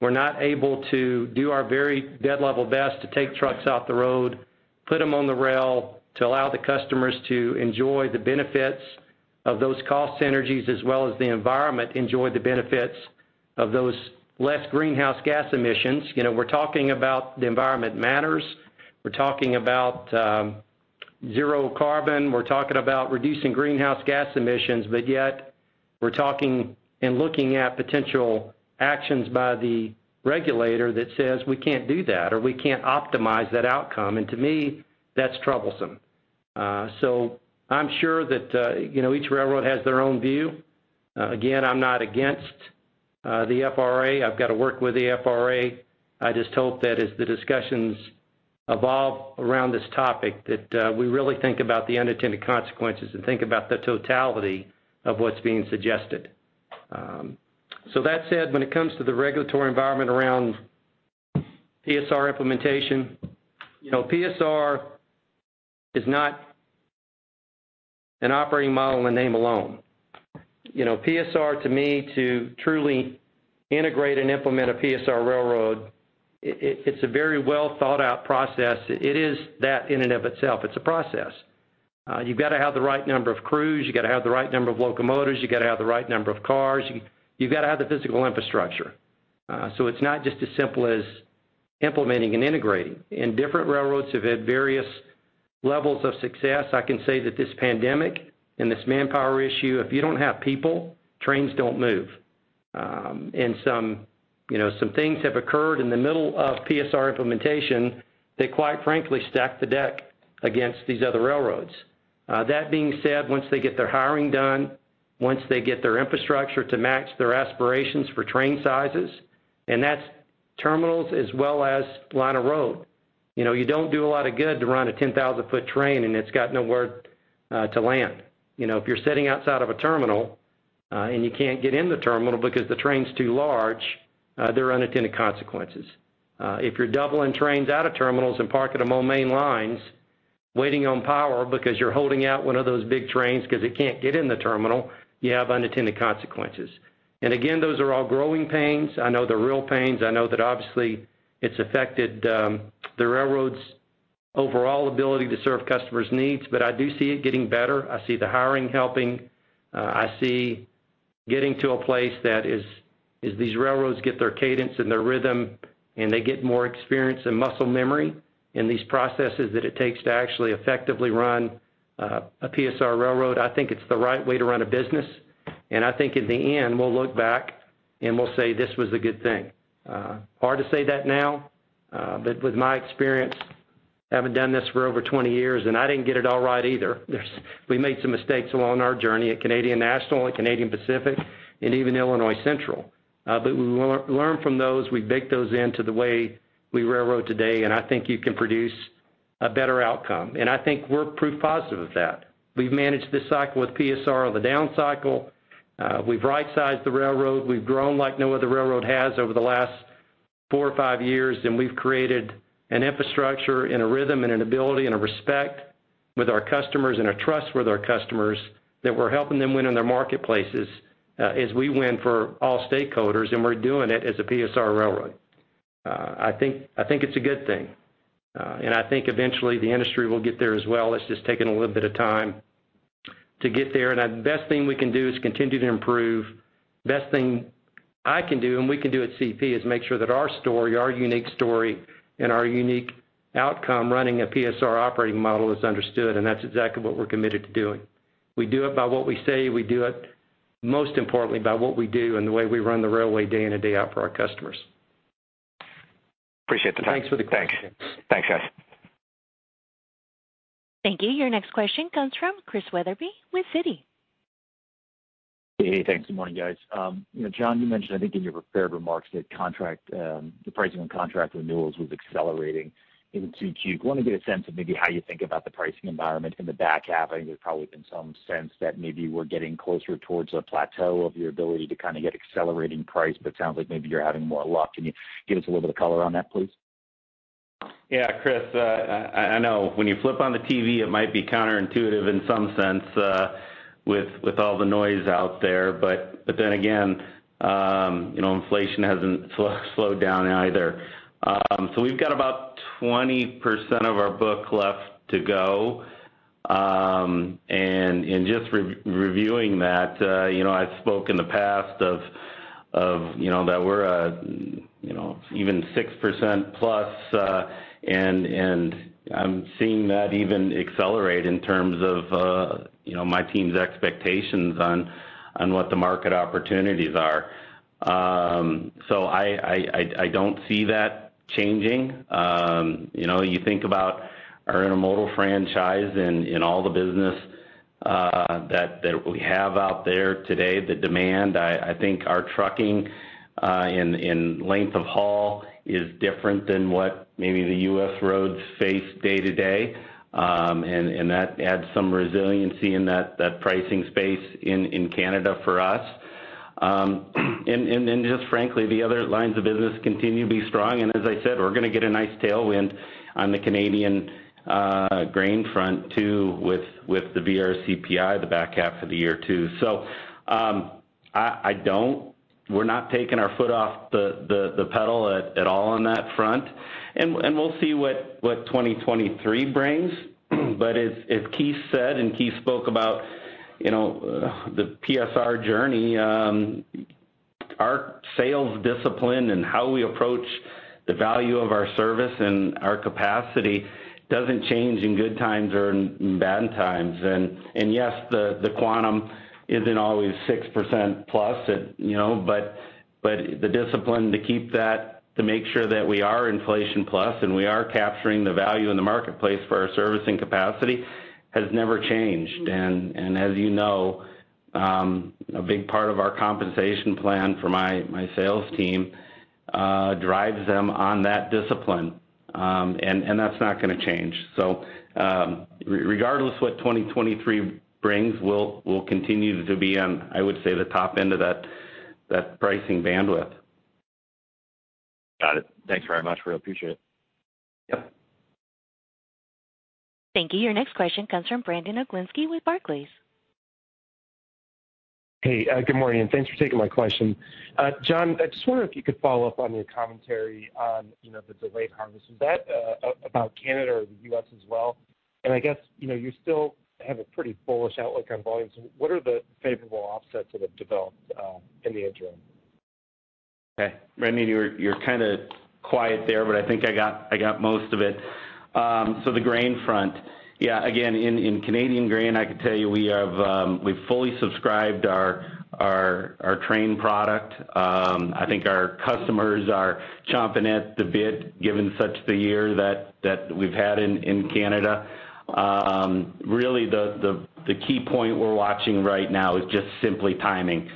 We're not able to do our very dead level best to take trucks off the road, put them on the rail, to allow the customers to enjoy the benefits of those cost synergies as well as the environment, enjoy the benefits of those less greenhouse gas emissions. You know, we're talking about the environment matters. We're talking about zero carbon. We're talking about reducing greenhouse gas emissions, but yet we're talking and looking at potential actions by the regulator that says we can't do that or we can't optimize that outcome. To me, that's troublesome. I'm sure that, you know, each railroad has their own view. Again, I'm not against the FRA. I've got to work with the FRA. I just hope that as the discussions evolve around this topic, that we really think about the unintended consequences and think about the totality of what's being suggested. That said, when it comes to the regulatory environment around PSR implementation, you know, PSR is not an operating model in name alone. You know, PSR, to me, to truly integrate and implement a PSR railroad, it's a very well thought out process. It is that in and of itself. It's a process. You've got to have the right number of crews, you gotta have the right number of locomotives, you gotta have the right number of cars. You've gotta have the physical infrastructure. It's not just as simple as implementing and integrating. Different railroads have had various levels of success. I can say that this pandemic and this manpower issue, if you don't have people, trains don't move. You know, some things have occurred in the middle of PSR implementation that quite frankly stack the deck against these other railroads. That being said, once they get their hiring done, once they get their infrastructure to match their aspirations for train sizes, and that's terminals as well as line of road. You know, you don't do a lot of good to run a 10,000-foot train, and it's got nowhere to land. You know, if you're sitting outside of a terminal, and you can't get in the terminal because the train's too large, there are unintended consequences. If you're doubling trains out of terminals and parking them on main lines, waiting on power because you're holding out one of those big trains because it can't get in the terminal, you have unintended consequences. Again, those are all growing pains. I know they're real pains. I know that obviously it's affected, the railroad's overall ability to serve customers' needs, but I do see it getting better. I see the hiring helping. I see getting to a place that is, as these railroads get their cadence and their rhythm and they get more experience and muscle memory in these processes that it takes to actually effectively run, a PSR railroad. I think it's the right way to run a business. I think in the end, we'll look back, and we'll say this was a good thing. Hard to say that now, but with my experience, having done this for over 20 years, and I didn't get it all right either. We made some mistakes along our journey at Canadian National and Canadian Pacific and even Illinois Central. We learn from those, we bake those into the way we railroad today, and I think you can produce a better outcome. I think we're proof positive of that. We've managed this cycle with PSR on the down cycle. We've right-sized the railroad. We've grown like no other railroad has over the last four or five years, and we've created an infrastructure and a rhythm and an ability and a respect with our customers and a trust with our customers that we're helping them win in their marketplaces, as we win for all stakeholders, and we're doing it as a PSR railroad. I think it's a good thing. I think eventually the industry will get there as well. It's just taking a little bit of time to get there. The best thing we can do is continue to improve. Best thing I can do, and we can do at CP is make sure that our story, our unique story, and our unique outcome running a PSR operating model is understood, and that's exactly what we're committed to doing. We do it by what we say, we do it. Most importantly about what we do and the way we run the railway day in and day out for our customers. Appreciate the time. Thanks for the question. Thanks. Thanks, guys. Thank you. Your next question comes from Christian Wetherbee with Citi. Hey. Thanks. Good morning, guys. You know, John, you mentioned, I think in your prepared remarks that contract, the pricing on contract renewals was accelerating in Q2. Want to get a sense of maybe how you think about the pricing environment in the back half. I think there's probably been some sense that maybe we're getting closer towards a plateau of your ability to kind of get accelerating price, but sounds like maybe you're having more luck. Can you give us a little bit of color on that, please? Yeah, Chris, I know when you flip on the TV, it might be counterintuitive in some sense, with all the noise out there, but then again, you know, inflation hasn't slowed down either. We've got about 20% of our book left to go. And just reviewing that, you know, I've spoke in the past of, you know, that we're even 6%+, and I'm seeing that even accelerate in terms of, you know, my team's expectations on what the market opportunities are. I don't see that changing. You know, you think about our intermodal franchise and in all the business that we have out there today, the demand. I think our trucking in length of haul is different than what maybe the US roads face day to day. That adds some resiliency in that pricing space in Canada for us. Then just frankly, the other lines of business continue to be strong. As I said, we're gonna get a nice tailwind on the Canadian grain front too, with the VRCPI, the back half of the year too. So, we're not taking our foot off the pedal at all on that front. We'll see what 2023 brings. As Keith said, and Keith spoke about, you know, the PSR journey, our sales discipline and how we approach the value of our service and our capacity doesn't change in good times or in bad times. Yes, the quantum isn't always 6% plus, you know, but the discipline to keep that, to make sure that we are inflation plus, and we are capturing the value in the marketplace for our servicing capacity has never changed. As you know, a big part of our compensation plan for my sales team drives them on that discipline. That's not gonna change. Regardless of what 2023 brings, we'll continue to be on, I would say, the top end of that pricing bandwidth. Got it. Thanks very much. Really appreciate it. Yep. Thank you. Your next question comes from Brandon Oglenski with Barclays. Hey, good morning, and thanks for taking my question. John, I just wonder if you could follow up on your commentary on, you know, the delayed harvest. Is that about Canada or the US as well? I guess, you know, you still have a pretty bullish outlook on volumes. What are the favorable offsets that have developed in the interim? Okay. Brandon, you're kinda quiet there, but I think I got most of it. The grain front. Yeah, again, in Canadian grain, I could tell you we've fully subscribed our train product. I think our customers are chomping at the bit given such a year that we've had in Canada. Really the key point we're watching right now is just simply timing.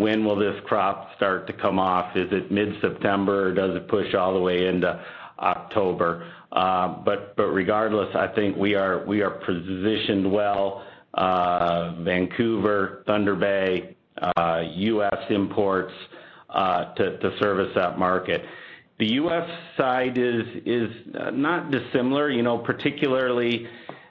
When will this crop start to come off? Is it mid-September or does it push all the way into October? Regardless, I think we are positioned well, Vancouver, Thunder Bay, US imports, to service that market. The US side is not dissimilar, you know, particularly,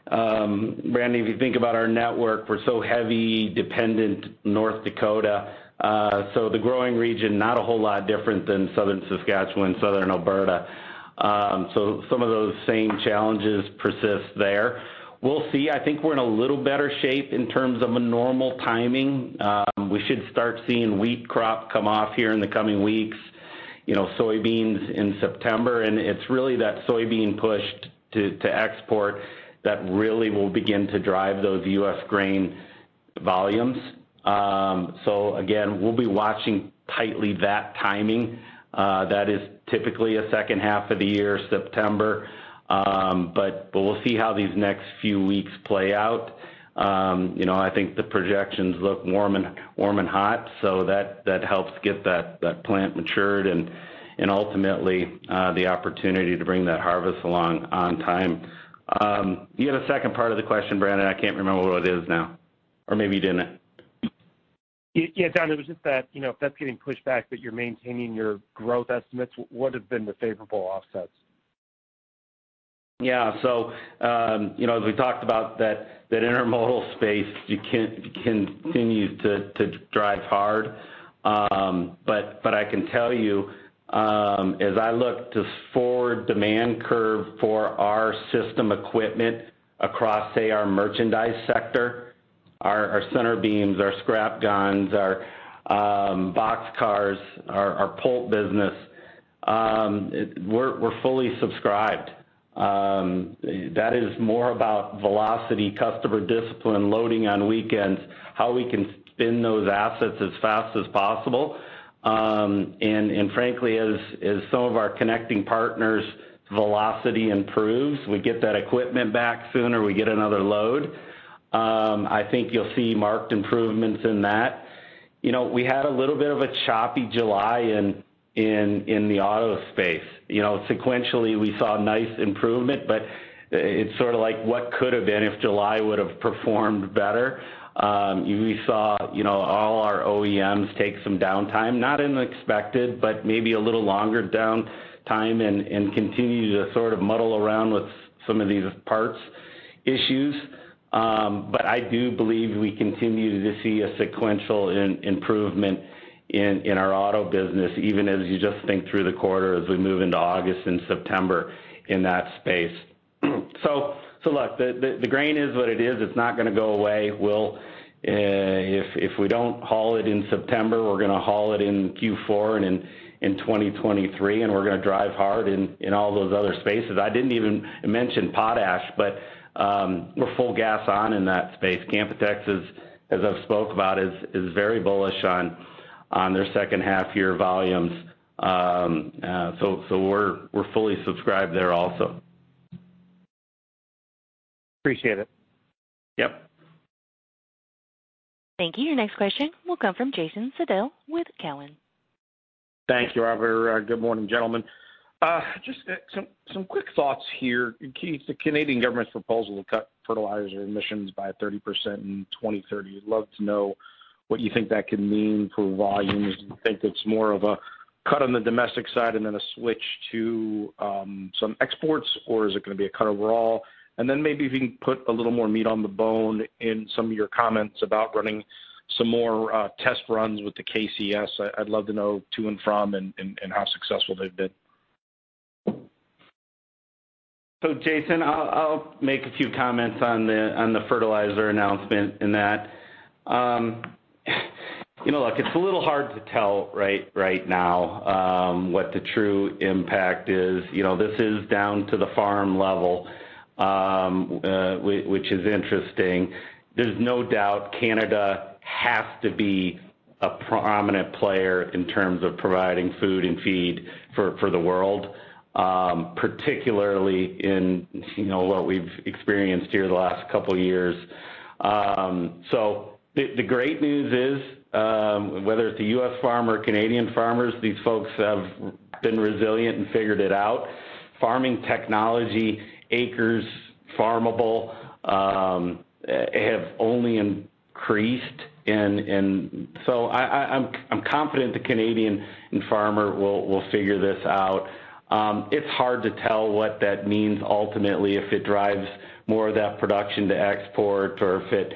Brandon, if you think about our network, we're so heavily dependent on North Dakota. The growing region, not a whole lot different than Southern Saskatchewan, Southern Alberta. Some of those same challenges persist there. We'll see. I think we're in a little better shape in terms of a normal timing. We should start seeing wheat crop come off here in the coming weeks, you know, soybeans in September. It's really that soybean push to export that really will begin to drive those US grain volumes. Again, we'll be watching tightly that timing. That is typically a second half of the year, September. But we'll see how these next few weeks play out. You know, I think the projections look warm and hot, so that helps get that plant matured and ultimately the opportunity to bring that harvest along on time. You had a second part of the question, Brandon. I can't remember what it is now, or maybe you didn't. Yeah, John, it was just that, you know, if that's getting pushed back, but you're maintaining your growth estimates, what have been the favorable offsets? Yeah. You know, as we talked about that intermodal space, continue to drive hard. But I can tell you, as I look to forward demand curve for our system equipment across, say, our merchandise sector, our center beams, our scrap gondolas, our boxcars, our pulp business, we're fully subscribed. That is more about velocity, customer discipline, loading on weekends, how we can spin those assets as fast as possible. And frankly, as some of our connecting partners' velocity improves, we get that equipment back sooner, we get another load. I think you'll see marked improvements in that. You know, we had a little bit of a choppy July in the auto space. You know, sequentially, we saw nice improvement, but it's sort of like what could have been if July would have performed better. We saw, you know, all our OEMs take some downtime, not unexpected, but maybe a little longer downtime and continue to sort of muddle around with some of these parts issues. But I do believe we continue to see a sequential improvement in our auto business, even as you just think through the quarter as we move into August and September in that space. So, look, the grain is what it is. It's not gonna go away. We'll, if we don't haul it in September, we're gonna haul it in Q4 and in 2023, and we're gonna drive hard in all those other spaces. I didn't even mention potash, but we're full gas on in that space. Canpotex, as I've spoke about, is very bullish on their second half year volumes. So we're fully subscribed there also. Appreciate it. Yep. Thank you. Your next question will come from Jason Seidl with Cowen. Thank you, operator. Good morning, gentlemen. Just some quick thoughts here. The Canadian government's proposal to cut fertilizer emissions by 30% in 2030. I'd love to know what you think that could mean for volumes. Do you think it's more of a cut on the domestic side and then a switch to some exports, or is it gonna be a cut overall? Maybe if you can put a little more meat on the bone in some of your comments about running some more test runs with the KCS. I'd love to know to and from and how successful they've been. Jason, I'll make a few comments on the fertilizer announcement in that. You know, look, it's a little hard to tell right now what the true impact is. You know, this is down to the farm level, which is interesting. There's no doubt Canada has to be a prominent player in terms of providing food and feed for the world, particularly in you know what we've experienced here the last couple years. The great news is whether it's the US farmer or Canadian farmers, these folks have been resilient and figured it out. Farming technology, acres farmable, have only increased. I'm confident the Canadian farmer will figure this out. It's hard to tell what that means ultimately, if it drives more of that production to export or if it,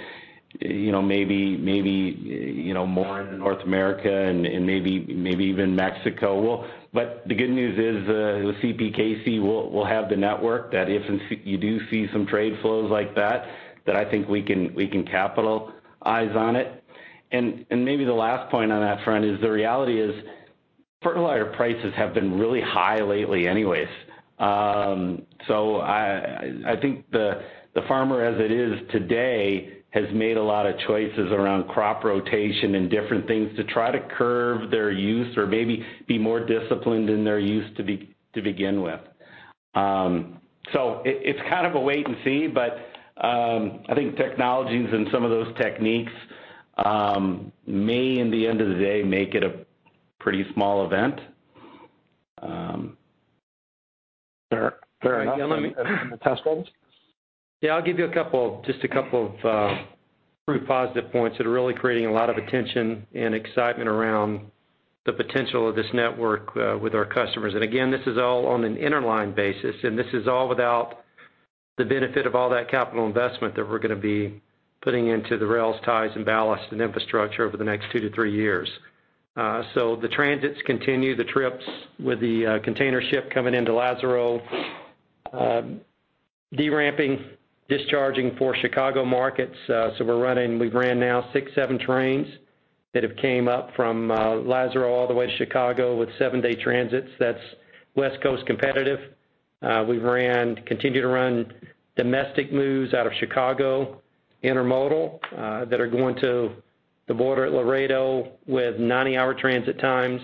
you know, maybe more in North America and maybe even Mexico. The good news is, CPKC will have the network that, if you do see some trade flows like that I think we can capitalize on it. Maybe the last point on that front is the reality is fertilizer prices have been really high lately anyways. I think the farmer as it is today has made a lot of choices around crop rotation and different things to try to curb their use or maybe be more disciplined in their use to begin with. It's kind of a wait and see, but I think technologies and some of those techniques may, in the end of the day, make it a pretty small event. Fair enough. The test runs? Yeah, I'll give you a couple, just a couple of, pretty positive points that are really creating a lot of attention and excitement around the potential of this network, with our customers. Again, this is all on an interline basis, and this is all without the benefit of all that capital investment that we're gonna be putting into the rails, ties, and ballasts and infrastructure over the next two to three years. The transits continue, the trips with the container ship coming into Lázaro deramping, discharging for Chicago markets. We've ran now six, seven trains that have came up from Lázaro all the way to Chicago with seven-day transits. That's West Coast competitive. We've ran, continue to run domestic moves out of Chicago Intermodal that are going to the border at Laredo with 90-hour transit times.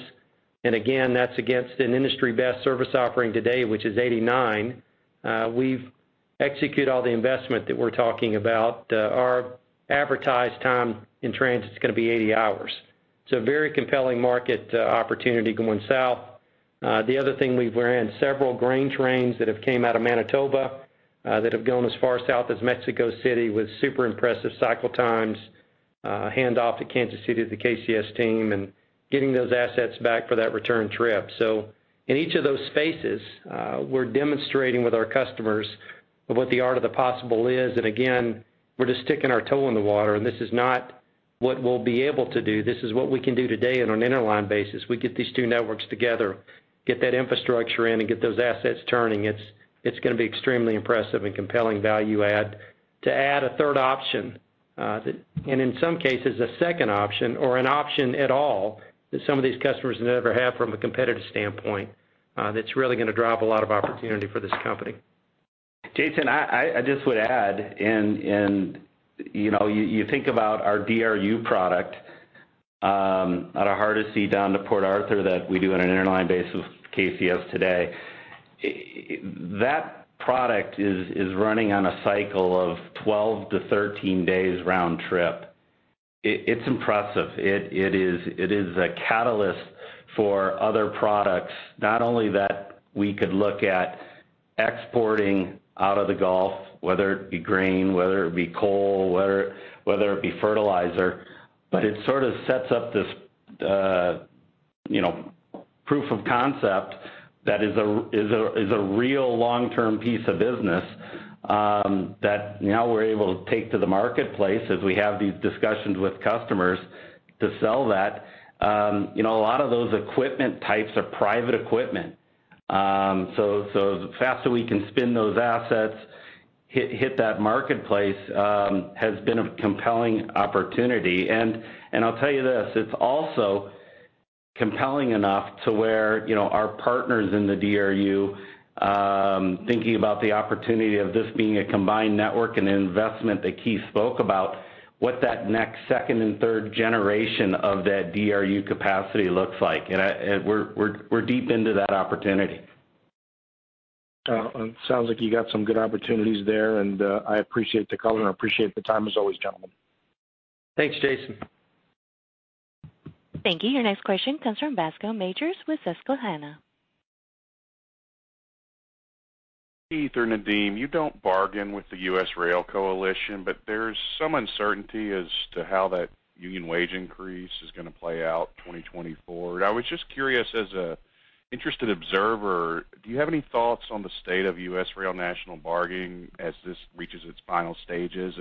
That's against an industry best service offering today, which is 89. We've executed all the investment that we're talking about. Our advertised time in transit is gonna be 80 hours. It's a very compelling market opportunity going south. The other thing, we've run several grain trains that have come out of Manitoba that have gone as far south as Mexico City with super impressive cycle times, hand off to Kansas City, the KCS team, and getting those assets back for that return trip. In each of those spaces, we're demonstrating with our customers what the art of the possible is. We're just sticking our toe in the water, and this is not what we'll be able to do. This is what we can do today on an interline basis. We get these two networks together, get that infrastructure in, and get those assets turning. It's gonna be extremely impressive and compelling value add. To add a third option. In some cases, a second option or an option at all that some of these customers never have from a competitive standpoint, that's really gonna drive a lot of opportunity for this company. Jason, I just would add, and you know, you think about our DRU product out of Hardisty down to Port Arthur that we do on an interline basis with KCS today. That product is running on a cycle of 12-13 days round trip. It's impressive. It is a catalyst for other products. Not only that we could look at exporting out of the Gulf, whether it be grain, whether it be coal, whether it be fertilizer, but it sort of sets up this, you know, proof of concept that is a real long-term piece of business that now we're able to take to the marketplace as we have these discussions with customers to sell that. You know, a lot of those equipment types are private equipment. The faster we can spin those assets, hit that marketplace, has been a compelling opportunity. I'll tell you this, it's also compelling enough to where, you know, our partners in the DRU thinking about the opportunity of this being a combined network and investment that Keith spoke about, what that next second and third generation of that DRU capacity looks like. We're deep into that opportunity. It sounds like you got some good opportunities there, and I appreciate the color, and I appreciate the time as always, gentlemen. Thanks, Jason. Thank you. Your next question comes from Bascome Majors with Susquehanna. Keith or Nadeem, you don't bargain with the US Rail Coalition, but there's some uncertainty as to how that union wage increase is gonna play out 2024. I was just curious, as an interested observer, do you have any thoughts on the state of US Rail national bargaining as this reaches its final stages?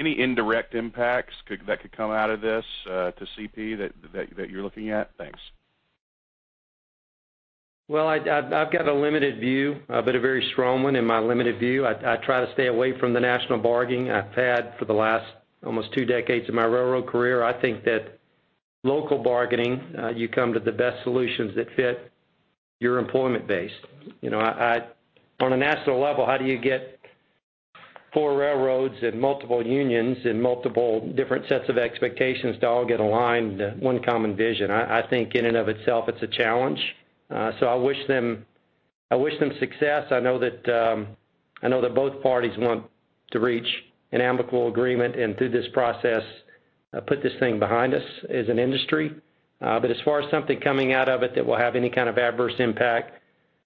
Any indirect impacts that could come out of this to CP that you're looking at? Thanks. I've got a limited view, but a very strong one in my limited view. I try to stay away from the national bargaining. I've had for the last almost two decades of my railroad career. I think that local bargaining, you come to the best solutions that fit your employment base. You know, on a national level, how do you get four railroads and multiple unions and multiple different sets of expectations to all get aligned to one common vision? I think in and of itself, it's a challenge. I wish them success. I know that both parties want to reach an amicable agreement and through this process, put this thing behind us as an industry. As far as something coming out of it that will have any kind of adverse impact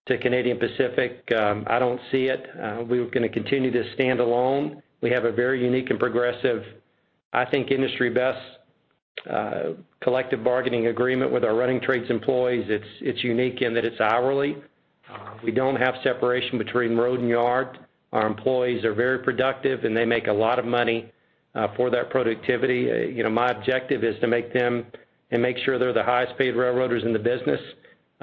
to Canadian Pacific, I don't see it. We're gonna continue to stand alone. We have a very unique and progressive, I think, industry-best, collective bargaining agreement with our running trades employees. It's unique in that it's hourly. We don't have separation between road and yard. Our employees are very productive, and they make a lot of money, for their productivity. You know, my objective is to make them and make sure they're the highest-paid railroaders in the business,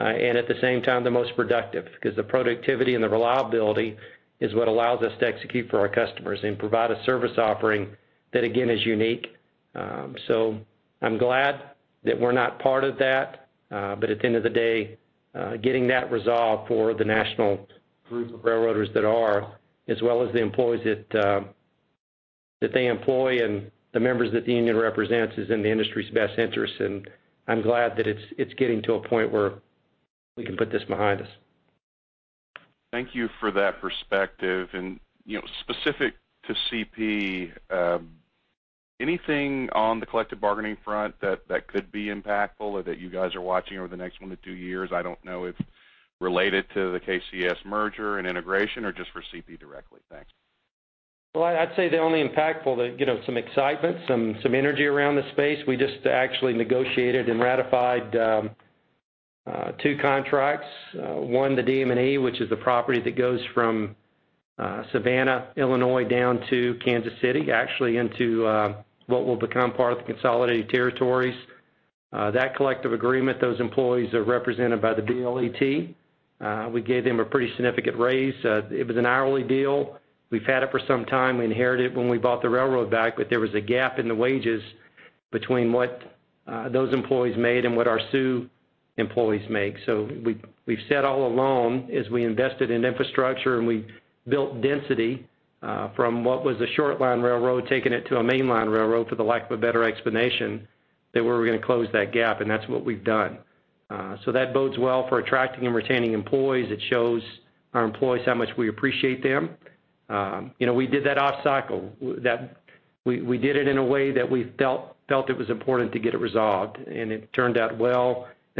and at the same time, the most productive because the productivity and the reliability is what allows us to execute for our customers and provide a service offering that, again, is unique. I'm glad that we're not part of that. At the end of the day, getting that resolved for the national group of railroaders that are, as well as the employees that they employ and the members that the union represents is in the industry's best interest. I'm glad that it's getting to a point where we can put this behind us. Thank you for that perspective. You know, specific to CP, anything on the collective bargaining front that could be impactful or that you guys are watching over the next one to two years? I don't know if related to the KCS merger and integration or just for CP directly. Thanks. Well, I'd say the only impactful, you know, some excitement, some energy around the space. We just actually negotiated and ratified two contracts. One, the DM&E, which is the property that goes from Savanna, Illinois, down to Kansas City, actually into what will become part of the consolidated territories. That collective agreement, those employees are represented by the BLET. We gave them a pretty significant raise. It was an hourly deal. We've had it for some time. We inherited it when we bought the railroad back, but there was a gap in the wages between what those employees made and what our Soo employees make. We've said all along, as we invested in infrastructure and we built density, from what was a short line railroad, taking it to a main line railroad, for the lack of a better explanation, that we were gonna close that gap, and that's what we've done. That bodes well for attracting and retaining employees. It shows our employees how much we appreciate them. You know, we did that off cycle. We did it in a way that we felt it was important to get it resolved,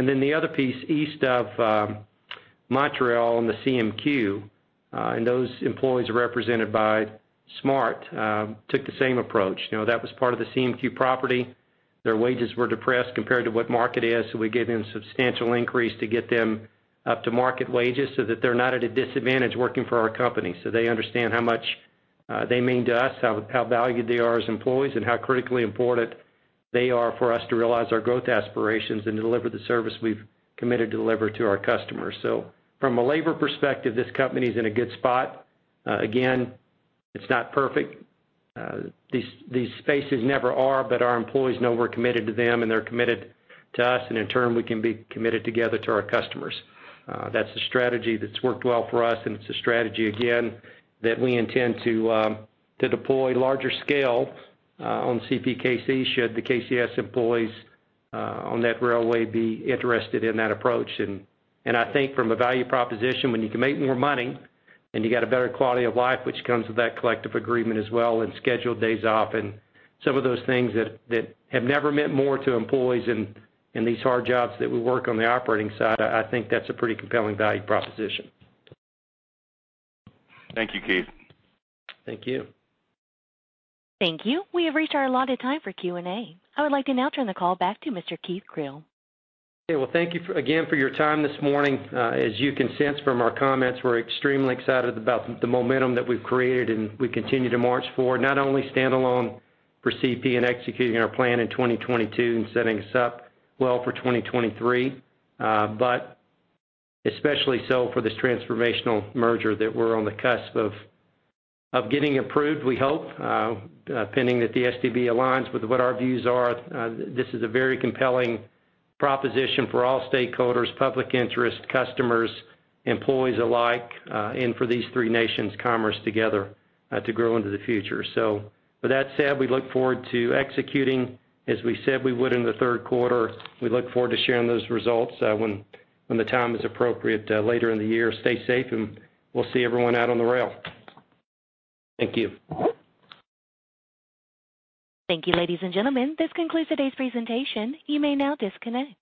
and it turned out well. The other piece, east of Montreal and the CMQ, and those employees represented by SMART, took the same approach. You know, that was part of the CMQ property. Their wages were depressed compared to what market is, so we gave them substantial increase to get them up to market wages so that they're not at a disadvantage working for our company. They understand how much they mean to us, how valued they are as employees, and how critically important they are for us to realize our growth aspirations and to deliver the service we've committed to deliver to our customers. From a labor perspective, this company is in a good spot. Again, it's not perfect. These spaces never are, but our employees know we're committed to them and they're committed to us, and in turn, we can be committed together to our customers. That's the strategy that's worked well for us, and it's a strategy, again, that we intend to deploy larger scale on CPKC, should the KCS employees on that railway be interested in that approach. I think from a value proposition, when you can make more money and you got a better quality of life, which comes with that collective agreement as well, and scheduled days off and some of those things that have never meant more to employees in these hard jobs that we work on the operating side, I think that's a pretty compelling value proposition. Thank you, Keith. Thank you. Thank you. We have reached our allotted time for Q&A. I would like to now turn the call back to Mr. Keith Creel. Okay. Well, thank you again for your time this morning. As you can sense from our comments, we're extremely excited about the momentum that we've created, and we continue to march forward, not only standalone for CP and executing our plan in 2022 and setting us up well for 2023, but especially so for this transformational merger that we're on the cusp of getting approved, we hope, pending that the STB aligns with what our views are. This is a very compelling proposition for all stakeholders, public interest customers, employees alike, and for these three nations, commerce together, to grow into the future. With that said, we look forward to executing as we said we would in the third quarter. We look forward to sharing those results, when the time is appropriate later in the year. Stay safe, and we'll see everyone out on the rail. Thank you. Thank you, ladies and gentlemen. This concludes today's presentation. You may now disconnect.